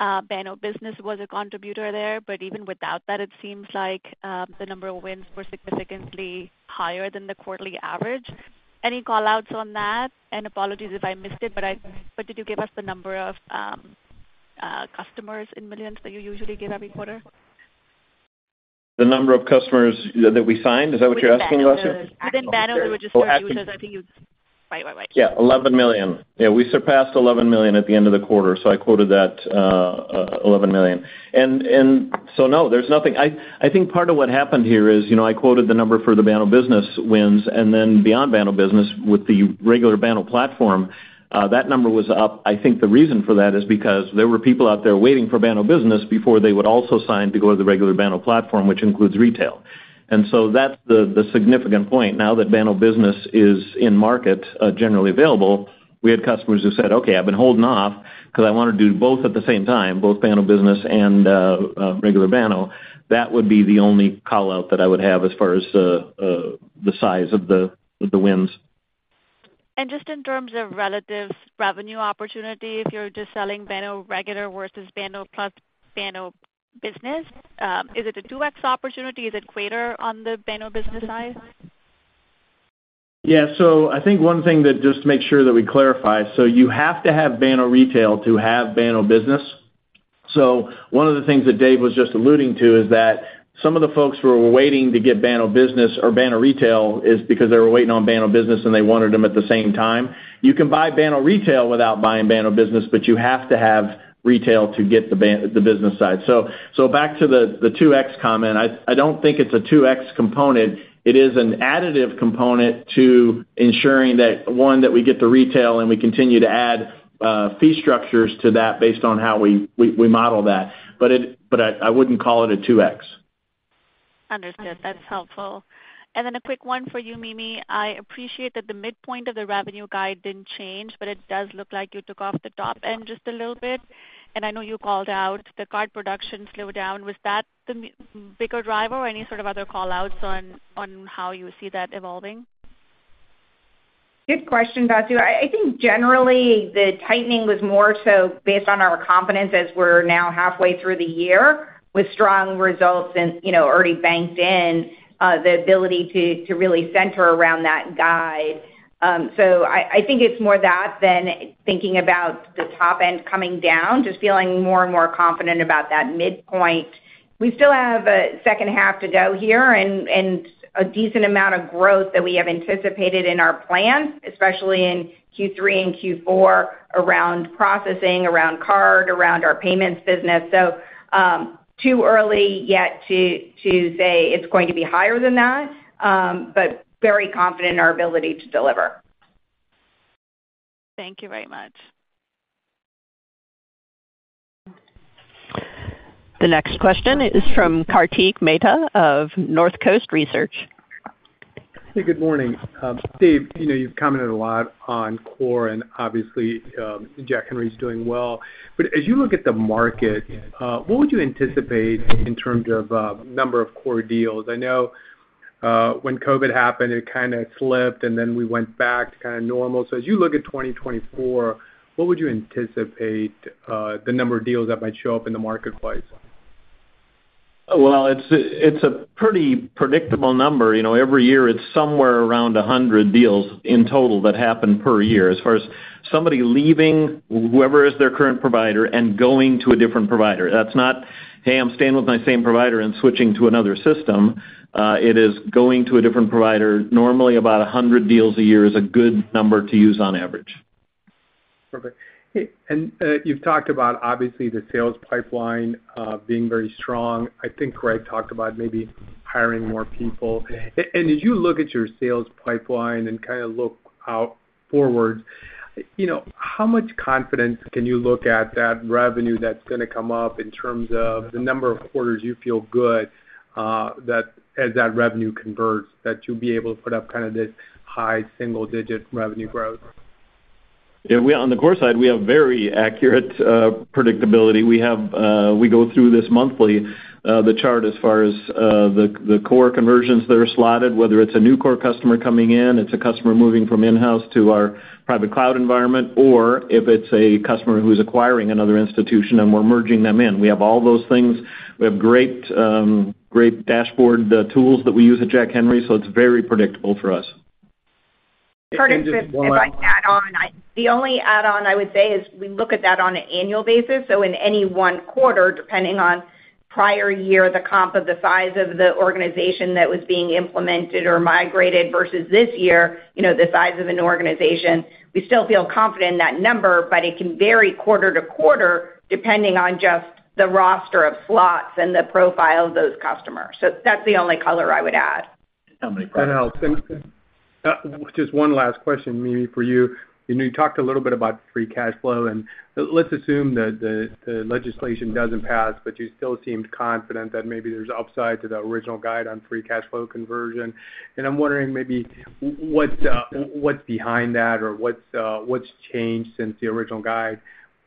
Banno Business was a contributor there, but even without that, it seems like, the number of wins were significantly higher than the quarterly average. Any call-outs on that? And apologies if I missed it, but did you give us the number of, customers in millions that you usually give every quarter? The number of customers that we signed? Is that what you're asking, Vasu? Within Banno or just- Oh, absolutely. I think you. Right, right, right. Yeah, 11 million. Yeah, we surpassed 11 million at the end of the quarter, so I quoted that, 11 million. And so, no, there's nothing. I think part of what happened here is, you know, I quoted the number for the Banno Business wins, and then beyond Banno Business, with the regular Banno platform, that number was up. I think the reason for that is because there were people out there waiting for Banno Business before they would also sign to go to the regular Banno platform, which includes retail. And so that's the significant point. Now that Banno Business is in market, generally available, we had customers who said, "Okay, I've been holding off because I want to do both at the same time, both Banno Business and, regular Banno." That would be the only call-out that I would have as far as, the size of the wins. Just in terms of relative revenue opportunity, if you're just selling Banno regular versus Banno plus Banno Business, is it a 2x opportunity? Is it greater on the Banno Business side? Yeah. So I think one thing that just to make sure that we clarify, so you have to have Banno Retail to have Banno Business. So one of the things that Dave was just alluding to is that some of the folks who were waiting to get Banno Business or Banno Retail is because they were waiting on Banno Business, and they wanted them at the same time. You can buy Banno Retail without buying Banno Business, but you have to have retail to get the Banno Business side. So, so back to the 2x comment, I don't think it's a 2x component. It is an additive component to ensuring that, one, that we get the retail and we continue to add fee structures to that based on how we model that. But I wouldn't call it a 2x. Understood. That's helpful. And then a quick one for you, Mimi. I appreciate that the midpoint of the revenue guide didn't change, but it does look like you took off the top end just a little bit. And I know you called out the card production slowed down. Was that the bigger driver or any sort of other call-outs on, on how you see that evolving? Good question, Vasu. I think generally, the tightening was more so based on our confidence as we're now halfway through the year with strong results and, you know, already banked in the ability to really center around that guide. So I think it's more that than thinking about the top end coming down, just feeling more and more confident about that midpoint. We still have a second half to go here and a decent amount of growth that we have anticipated in our plans, especially in Q3 and Q4, around processing, around card, around our payments business. So too early yet to say it's going to be higher than that, but very confident in our ability to deliver. Thank you very much. The next question is from Kartik Mehta of Northcoast Research. Hey, good morning. Dave, you know, you've commented a lot on core and obviously, Jack Henry's doing well. But as you look at the market, what would you anticipate in terms of number of core deals? I know when COVID happened, it kind of slipped, and then we went back to kind of normal. So as you look at 2024, what would you anticipate the number of deals that might show up in the marketplace?... Well, it's a pretty predictable number. You know, every year, it's somewhere around 100 deals in total that happen per year, as far as somebody leaving whoever is their current provider and going to a different provider. That's not, "Hey, I'm staying with my same provider and switching to another system," it is going to a different provider. Normally, about 100 deals a year is a good number to use on average. Perfect. And, you've talked about, obviously, the sales pipeline, being very strong. I think Greg talked about maybe hiring more people. And as you look at your sales pipeline and kind of look out forward, you know, how much confidence can you look at that revenue that's gonna come up in terms of the number of quarters you feel good, that as that revenue converts, that you'll be able to put up kind of this high single-digit revenue growth? Yeah, we on the core side, we have very accurate predictability. We have, we go through this monthly, the chart as far as, the core conversions that are slotted, whether it's a new core customer coming in, it's a customer moving from in-house to our private cloud environment, or if it's a customer who's acquiring another institution, and we're merging them in. We have all those things. We have great, great dashboard tools that we use at Jack Henry, so it's very predictable for us. If I add on, the only add-on I would say is, we look at that on an annual basis. So in any one quarter, depending on prior year, the comp of the size of the organization that was being implemented or migrated versus this year, you know, the size of an organization, we still feel confident in that number, but it can vary quarter to quarter, depending on just the roster of slots and the profile of those customers. So that's the only color I would add. Just one last question, Mimi, for you. You know, you talked a little bit about free cash flow, and let's assume that the legislation doesn't pass, but you still seemed confident that maybe there's upside to the original guide on free cash flow conversion. And I'm wondering maybe, what's behind that or what's changed since the original guide,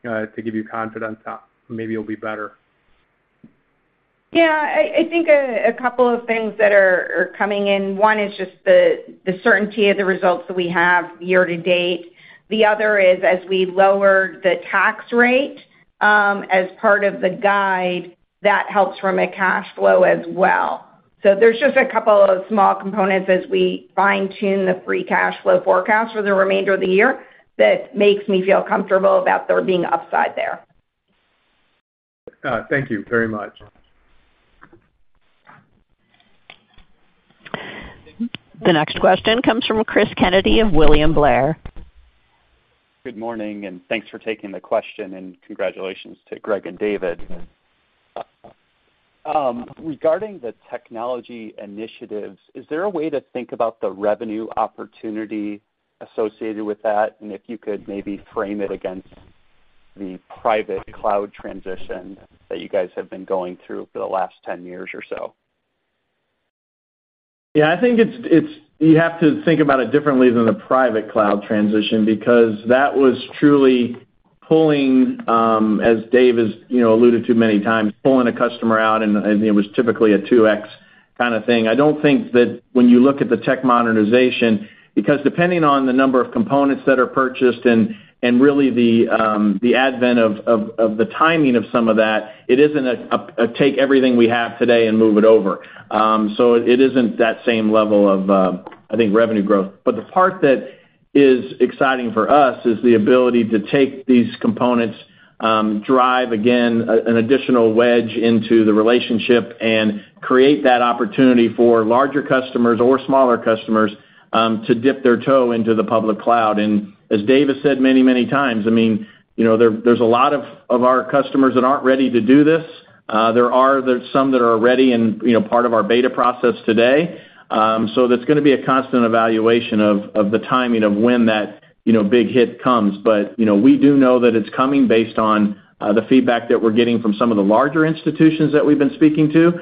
to give you confidence that maybe it'll be better? Yeah, I think a couple of things that are coming in. One is just the certainty of the results that we have year to date. The other is, as we lower the tax rate, as part of the guide, that helps from a cash flow as well. So there's just a couple of small components as we fine-tune the free cash flow forecast for the remainder of the year, that makes me feel comfortable about there being upside there. Thank you very much. The next question comes from Chris Kennedy of William Blair. Good morning, and thanks for taking the question, and congratulations to Greg and David. Regarding the technology initiatives, is there a way to think about the revenue opportunity associated with that? And if you could maybe frame it against the private cloud transition that you guys have been going through for the last 10 years or so. Yeah, I think it's you have to think about it differently than the private cloud transition, because that was truly pulling, as Dave has, you know, alluded to many times, pulling a customer out, and it was typically a 2x kind of thing. I don't think that when you look at the tech modernization, because depending on the number of components that are purchased and really the advent of the timing of some of that, it isn't a take everything we have today and move it over. So it isn't that same level of, I think, revenue growth. But the part that is exciting for us is the ability to take these components, drive, again, an additional wedge into the relationship and create that opportunity for larger customers or smaller customers, to dip their toe into the public cloud. And as Dave has said many, many times, I mean, you know, there are a lot of our customers that aren't ready to do this. There are some that are ready and, you know, part of our beta process today. So that's gonna be a constant evaluation of the timing of when that, you know, big hit comes. But, you know, we do know that it's coming based on the feedback that we're getting from some of the larger institutions that we've been speaking to,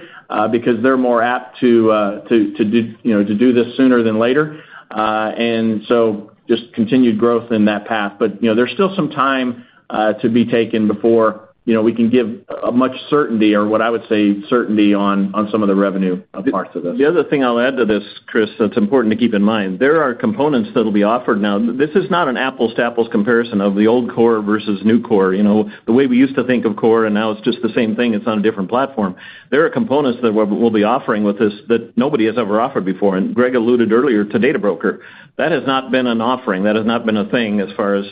because they're more apt to to do, you know, to do this sooner than later. And so just continued growth in that path. But, you know, there's still some time to be taken before, you know, we can give a much certainty or what I would say, certainty on some of the revenue parts of this. The other thing I'll add to this, Chris, that's important to keep in mind, there are components that will be offered. Now, this is not an apples to apples comparison of the old core versus new core, you know, the way we used to think of core, and now it's just the same thing, it's on a different platform. There are components that we'll be offering with this that nobody has ever offered before, and Greg alluded earlier to Data Broker. That has not been an offering. That has not been a thing as far as,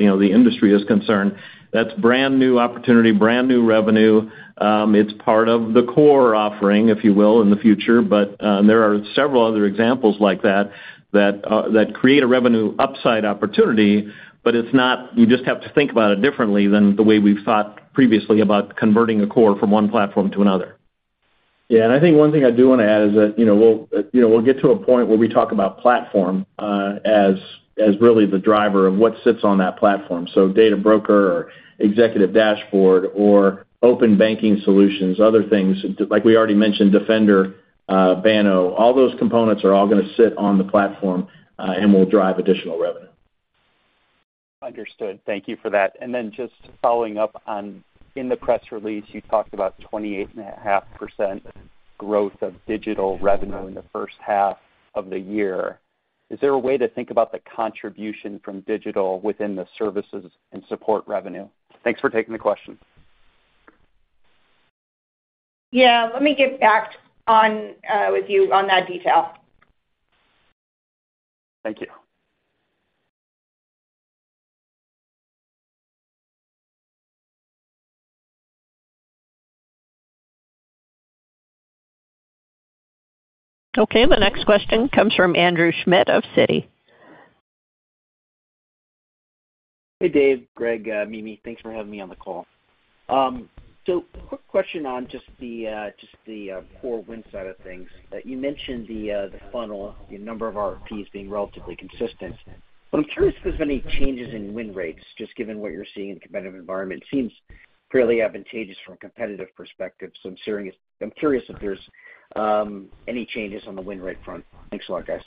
you know, the industry is concerned. That's brand-new opportunity, brand-new revenue, it's part of the core offering, if you will, in the future. But there are several other examples like that that create a revenue upside opportunity, but it's not. You just have to think about it differently than the way we've thought previously about converting a core from one platform to another. Yeah, and I think one thing I do want to add is that, you know, we'll get to a point where we talk about platform as really the driver of what sits on that platform. So Data Broker or Executive Dashboard or Open Banking Solutions, other things, like we already mentioned, Defender, Banno, all those components are all gonna sit on the platform, and will drive additional revenue. Understood. Thank you for that. And then just following up on, in the press release, you talked about 28.5%-... growth of digital revenue in the first half of the year. Is there a way to think about the contribution from digital within the services and support revenue? Thanks for taking the question. Yeah, let me get back on with you on that detail. Thank you. Okay, the next question comes from Andrew Schmidt of Citi. Hey, Dave, Greg, Mimi, thanks for having me on the call. So quick question on just the core win side of things. That you mentioned the funnel, the number of RFPs being relatively consistent. But I'm curious if there's any changes in win rates, just given what you're seeing in competitive environment. Seems fairly advantageous from a competitive perspective, so I'm curious if there's any changes on the win rate front. Thanks a lot, guys.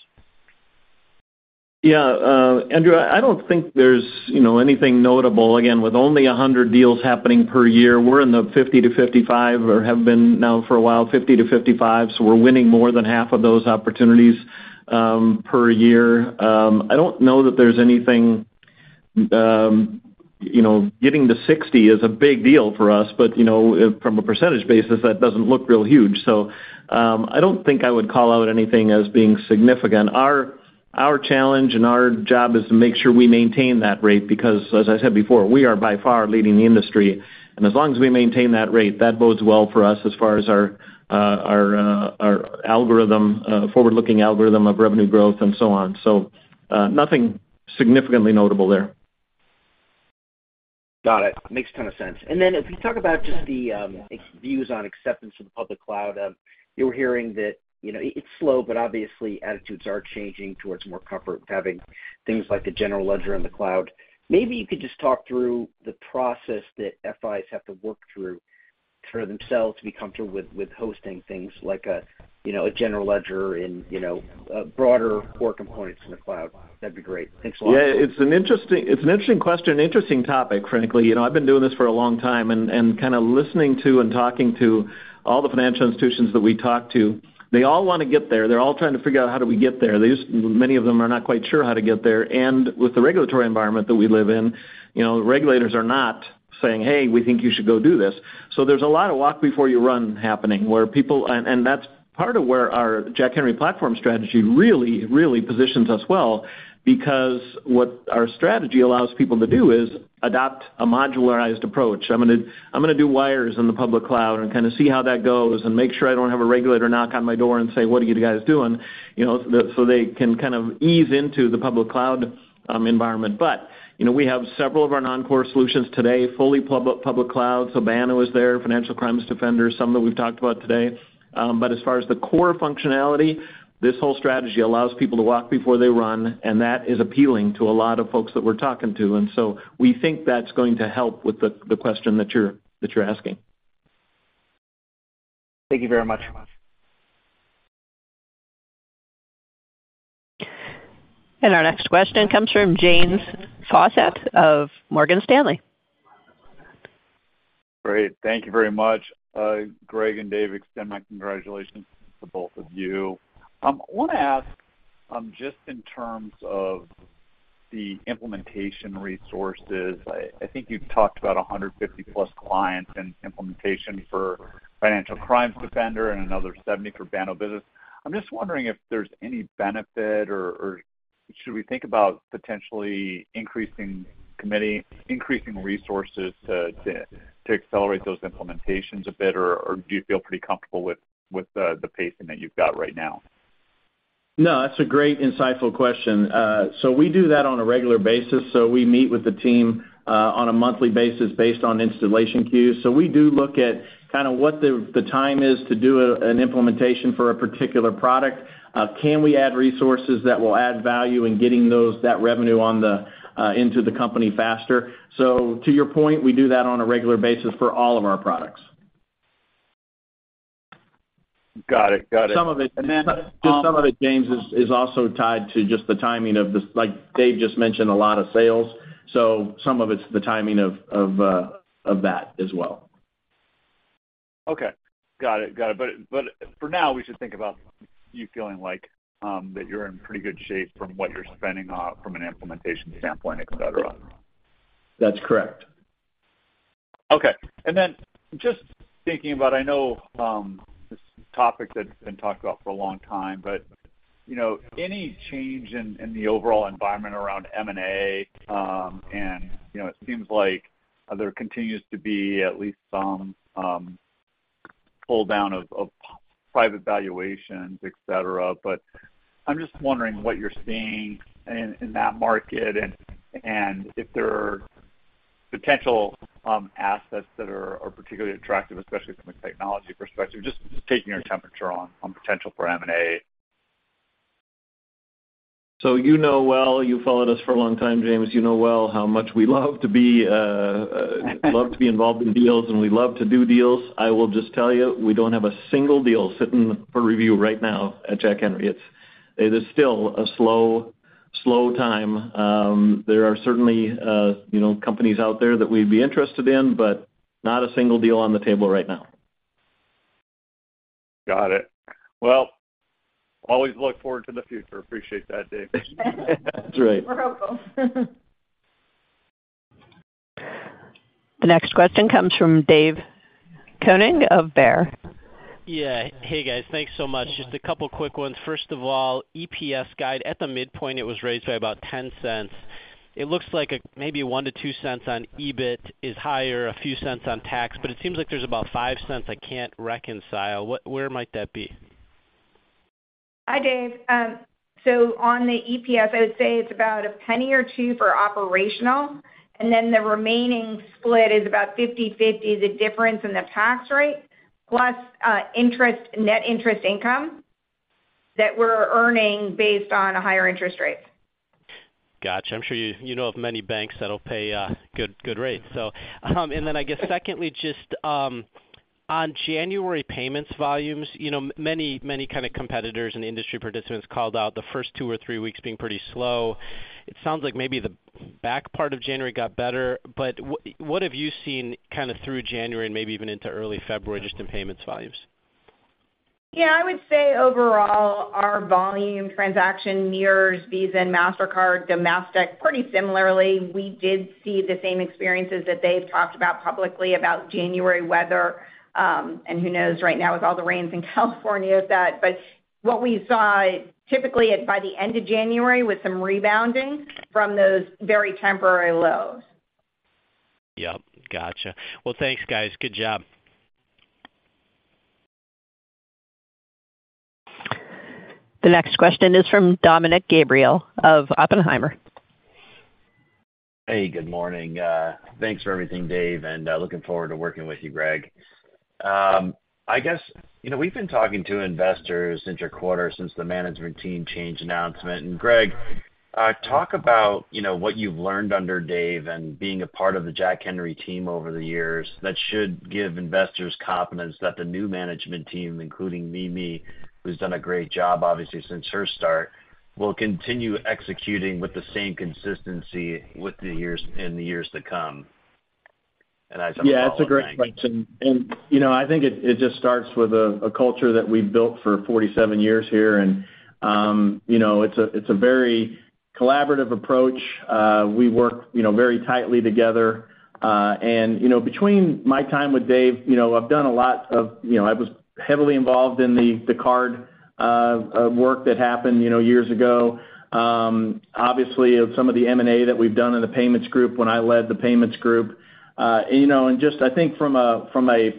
Yeah, Andrew, I don't think there's, you know, anything notable. Again, with only 100 deals happening per year, we're in the 50-55, or have been now for a while, 50-55, so we're winning more than half of those opportunities, per year. I don't know that there's anything, you know, getting to 60 is a big deal for us, but, you know, from a percentage basis, that doesn't look real huge. So, I don't think I would call out anything as being significant. Our challenge and our job is to make sure we maintain that rate, because, as I said before, we are by far leading the industry. And as long as we maintain that rate, that bodes well for us as far as our algorithm, forward-looking algorithm of revenue growth and so on. Nothing significantly notable there. Got it. Makes ton of sense. And then if you talk about just the views on acceptance of the public cloud, you were hearing that, you know, it's slow, but obviously attitudes are changing towards more comfort with having things like the general ledger in the cloud. Maybe you could just talk through the process that FIs have to work through for themselves to be comfortable with hosting things like a, you know, a general ledger and, you know, broader core components in the cloud. That'd be great. Thanks a lot. Yeah, it's an interesting, it's an interesting question, interesting topic, frankly. You know, I've been doing this for a long time and, and kind of listening to and talking to all the financial institutions that we talk to, they all want to get there. They're all trying to figure out, how do we get there? They just, many of them are not quite sure how to get there. And with the regulatory environment that we live in, you know, regulators are not saying, "Hey, we think you should go do this." So there's a lot of walk before you run happening, where people, and that's part of where our Jack Henry Platform strategy really, really positions us well, because what our strategy allows people to do is adopt a modularized approach. I'm gonna do wires in the public cloud and kind of see how that goes and make sure I don't have a regulator knock on my door and say, "What are you guys doing?" You know, so they can kind of ease into the public cloud environment. But, you know, we have several of our non-core solutions today, fully public cloud. So Banno is there, Financial Crimes Defender, some that we've talked about today. But as far as the core functionality, this whole strategy allows people to walk before they run, and that is appealing to a lot of folks that we're talking to. And so we think that's going to help with the question that you're asking. Thank you very much. Our next question comes from James Faucette of Morgan Stanley. Great. Thank you very much. Greg and Dave, extend my congratulations to both of you. I want to ask, just in terms of the implementation resources, I think you've talked about 150+ clients and implementation for Financial Crimes Defender and another 70 for Banno Business. I'm just wondering if there's any benefit or should we think about potentially increasing commitment, increasing resources to accelerate those implementations a bit, or do you feel pretty comfortable with the pacing that you've got right now? No, that's a great, insightful question. So we do that on a regular basis, so we meet with the team on a monthly basis based on installation queues. So we do look at kind of what the time is to do an implementation for a particular product. Can we add resources that will add value in getting that revenue on the into the company faster? So to your point, we do that on a regular basis for all of our products. Got it. Got it. Some of it, James, is also tied to just the timing of this—like Dave just mentioned, a lot of sales—so some of it's the timing of that as well. Okay. Got it. Got it. But, but for now, we should think about you feeling like, that you're in pretty good shape from what you're spending on from an implementation standpoint, et cetera? That's correct. Okay. And then just thinking about, I know, this topic that's been talked about for a long time, but, you know, any change in the overall environment around M&A, and, you know, it seems like there continues to be at least some pull down of private valuations, et cetera. But I'm just wondering what you're seeing in that market and if there are potential assets that are particularly attractive, especially from a technology perspective, just taking your temperature on potential for M&A. So you know well, you followed us for a long time, James. You know well how much we love to be, love to be involved in deals, and we love to do deals. I will just tell you, we don't have a single deal sitting for review right now at Jack Henry. It is still a slow, slow time. There are certainly, you know, companies out there that we'd be interested in, but not a single deal on the table right now.... Got it. Well, always look forward to the future. Appreciate that, Dave. That's right. We're hopeful. The next question comes from Dave Koning of Baird. Yeah. Hey, guys. Thanks so much. Just a couple quick ones. First of all, EPS guide. At the midpoint, it was raised by about $0.10. It looks like a maybe $0.01-$0.02 on EBIT is higher, a few cents on tax, but it seems like there's about $0.05 I can't reconcile. What- where might that be? Hi, Dave. So on the EPS, I would say it's about $0.01 or $0.02 for operational, and then the remaining split is about 50/50, the difference in the tax rate, plus, interest net interest income that we're earning based on a higher interest rate. Gotcha. I'm sure you, you know of many banks that'll pay a good, good rate. So, and then I guess secondly, just, on January payments volumes, you know, many, many kind of competitors and industry participants called out the first two or three weeks being pretty slow. It sounds like maybe the back part of January got better, but what have you seen kind of through January and maybe even into early February, just in payments volumes? Yeah, I would say overall, our volume transaction mirrors Visa and Mastercard domestic pretty similarly. We did see the same experiences that they've talked about publicly, about January weather, and who knows, right now, with all the rains in California with that. But what we saw typically at by the end of January, with some rebounding from those very temporary lows. Yep. Gotcha. Well, thanks, guys. Good job. The next question is from Dominick Gabriele of Oppenheimer. Hey, good morning. Thanks for everything, Dave, and looking forward to working with you, Greg. I guess, you know, we've been talking to investors since your quarter, since the management team change announcement. And Greg, talk about, you know, what you've learned under Dave and being a part of the Jack Henry team over the years, that should give investors confidence that the new management team, including Mimi, who's done a great job, obviously, since her start, will continue executing with the same consistency in the years to come. And I have a follow-up, thanks. Yeah, it's a great question. You know, I think it just starts with a culture that we've built for 47 years here. You know, it's a very collaborative approach. We work, you know, very tightly together. You know, between my time with Dave, you know, I've done a lot of—you know, I was heavily involved in the card work that happened years ago. Obviously, of some of the M&A that we've done in the payments group when I led the payments group. And just, I think from a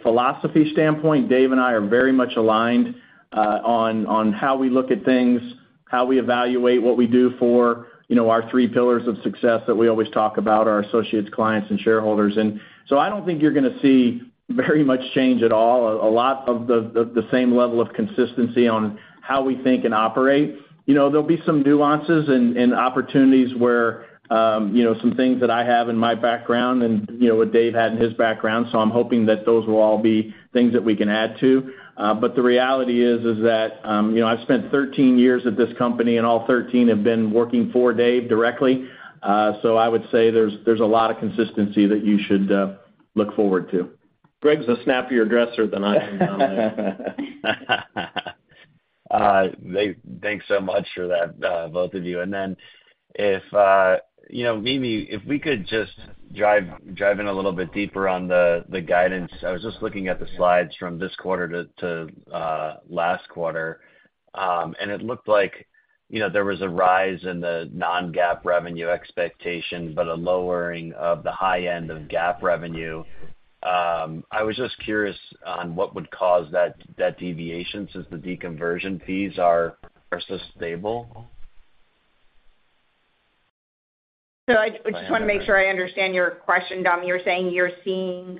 philosophy standpoint, Dave and I are very much aligned on how we look at things, how we evaluate what we do for, you know, our three pillars of success that we always talk about, our associates, clients, and shareholders. And so I don't think you're going to see very much change at all. A lot of the same level of consistency on how we think and operate. You know, there'll be some nuances and opportunities where, you know, some things that I have in my background and, you know, what Dave had in his background, so I'm hoping that those will all be things that we can add to. But the reality is that, you know, I've spent 13 years at this company, and all 13 have been working for Dave directly. So I would say there's a lot of consistency that you should look forward to. Greg's a snappier dresser than I am down there. Thanks so much for that, both of you. And then if you know, Mimi, if we could just dive in a little bit deeper on the guidance. I was just looking at the slides from this quarter to last quarter, and it looked like, you know, there was a rise in the non-GAAP revenue expectation, but a lowering of the high end of GAAP revenue. I was just curious on what would cause that deviation, since the deconversion fees are so stable? So I just want to make sure I understand your question, Dom. You're saying you're seeing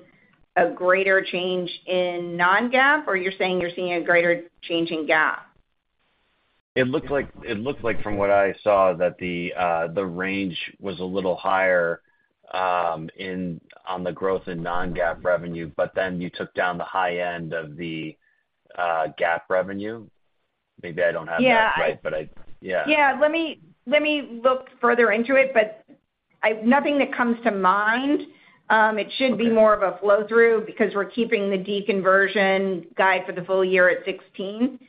a greater change in non-GAAP, or you're saying you're seeing a greater change in GAAP? It looked like, it looked like from what I saw, that the range was a little higher on the growth in non-GAAP revenue, but then you took down the high end of the GAAP revenue. Maybe I don't have that right, but yeah. Yeah. Let me, let me look further into it, but I... Nothing that comes to mind. It should- Okay... be more of a flow-through because we're keeping the deconversion guidance for the full year at $16.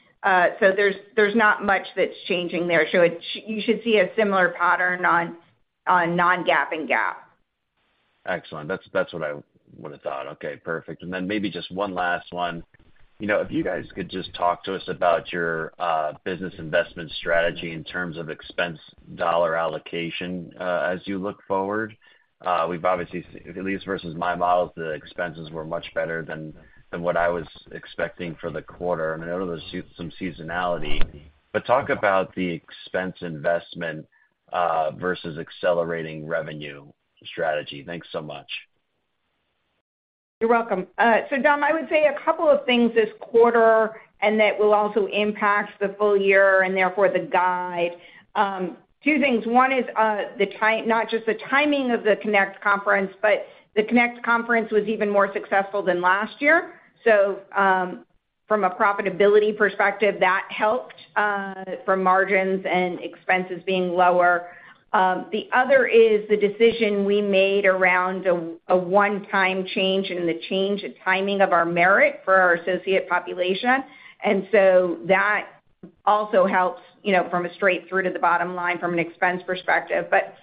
So there's not much that's changing there. So you should see a similar pattern on non-GAAP and GAAP. Excellent. That's, that's what I would have thought. Okay, perfect. And then maybe just one last one. You know, if you guys could just talk to us about your business investment strategy in terms of expense dollar allocation as you look forward. We've obviously, at least versus my models, the expenses were much better than what I was expecting for the quarter. I know there was some seasonality, but talk about the expense investment versus accelerating revenue strategy. Thanks so much. You're welcome. So Dom, I would say a couple of things this quarter and that will also impact the full year and therefore the guide. Two things. One is, not just the timing of the Connect conference, but the Connect conference was even more successful than last year. So, from a profitability perspective, that helped, from margins and expenses being lower. The other is the decision we made around a, a one-time change and the change in timing of our merit for our associate population. And so that also helps, you know, from a straight through to the bottom line from an expense perspective. But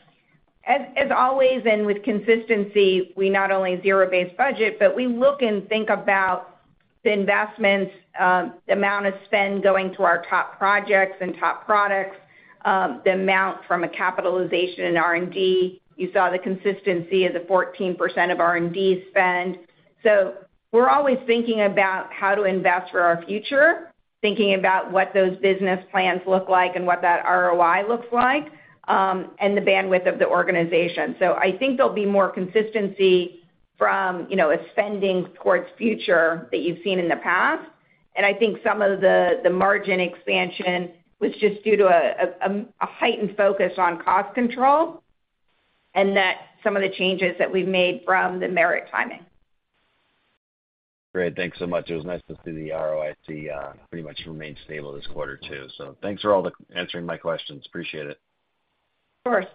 as always, and with consistency, we not only zero-based budget, but we look and think about the investments, the amount of spend going to our top projects and top products, the amount from a capitalization in R&D. You saw the consistency as a 14% of R&D spend. So we're always thinking about how to invest for our future, thinking about what those business plans look like and what that ROI looks like, and the bandwidth of the organization. So I think there'll be more consistency from, you know, a spending towards future that you've seen in the past. And I think some of the margin expansion was just due to a heightened focus on cost control, and that some of the changes that we've made from the merit timing. Great. Thanks so much. It was nice to see the ROIC, pretty much remained stable this quarter, too. So thanks for all the answering my questions. Appreciate it. Of course.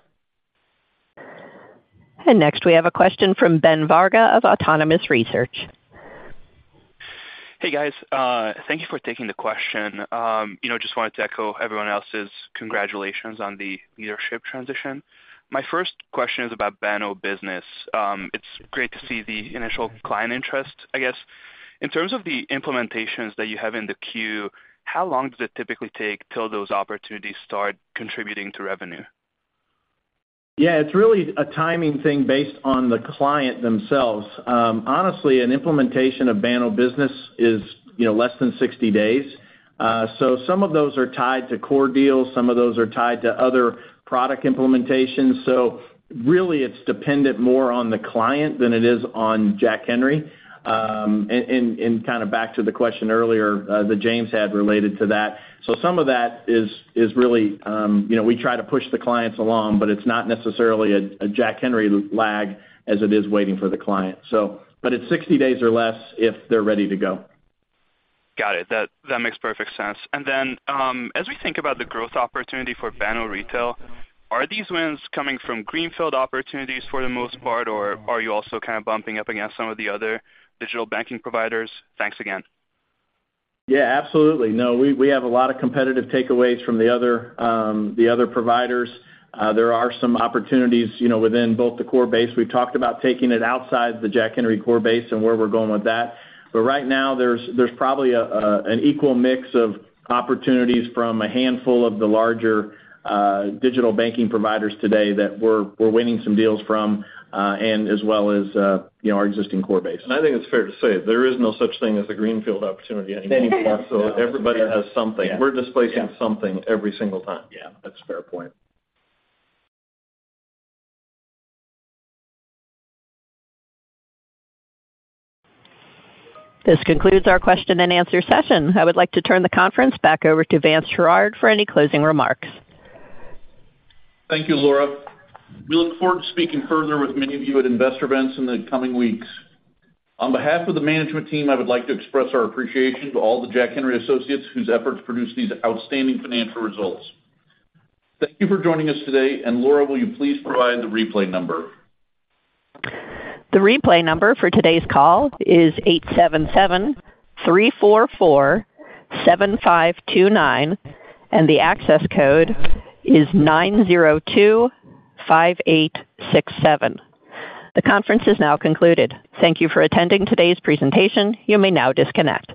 Next, we have a question from Ben Varga of Autonomous Research. Hey, guys. Thank you for taking the question. You know, just wanted to echo everyone else's congratulations on the leadership transition. My first question is about Banno Business. It's great to see the initial client interest. I guess, in terms of the implementations that you have in the queue, how long does it typically take till those opportunities start contributing to revenue? Yeah, it's really a timing thing based on the client themselves. Honestly, an implementation of Banno Business is, you know, less than 60 days. So some of those are tied to core deals, some of those are tied to other product implementations. So really, it's dependent more on the client than it is on Jack Henry. And kind of back to the question earlier, that James had related to that. So some of that is really, you know, we try to push the clients along, but it's not necessarily a Jack Henry lag as it is waiting for the client. So but it's 60 days or less if they're ready to go. Got it. That, that makes perfect sense. And then, as we think about the growth opportunity for Banno Retail, are these wins coming from greenfield opportunities for the most part, or are you also kind of bumping up against some of the other digital banking providers? Thanks again. Yeah, absolutely. No, we have a lot of competitive takeaways from the other providers. There are some opportunities, you know, within both the core base. We've talked about taking it outside the Jack Henry core base and where we're going with that. But right now, there's probably an equal mix of opportunities from a handful of the larger digital banking providers today that we're winning some deals from, and as well as, you know, our existing core base. I think it's fair to say there is no such thing as a greenfield opportunity anymore. Everybody has something. We're displacing something every single time. Yeah, that's a fair point. This concludes our question and answer session. I would like to turn the conference back over to Vance Sherard for any closing remarks. Thank you, Laura. We look forward to speaking further with many of you at investor events in the coming weeks. On behalf of the management team, I would like to express our appreciation to all the Jack Henry associates whose efforts produced these outstanding financial results. Thank you for joining us today. Laura, will you please provide the replay number? The replay number for today's call is 877-344-7529, and the access code is 902-5867. The conference is now concluded. Thank you for attending today's presentation. You may now disconnect.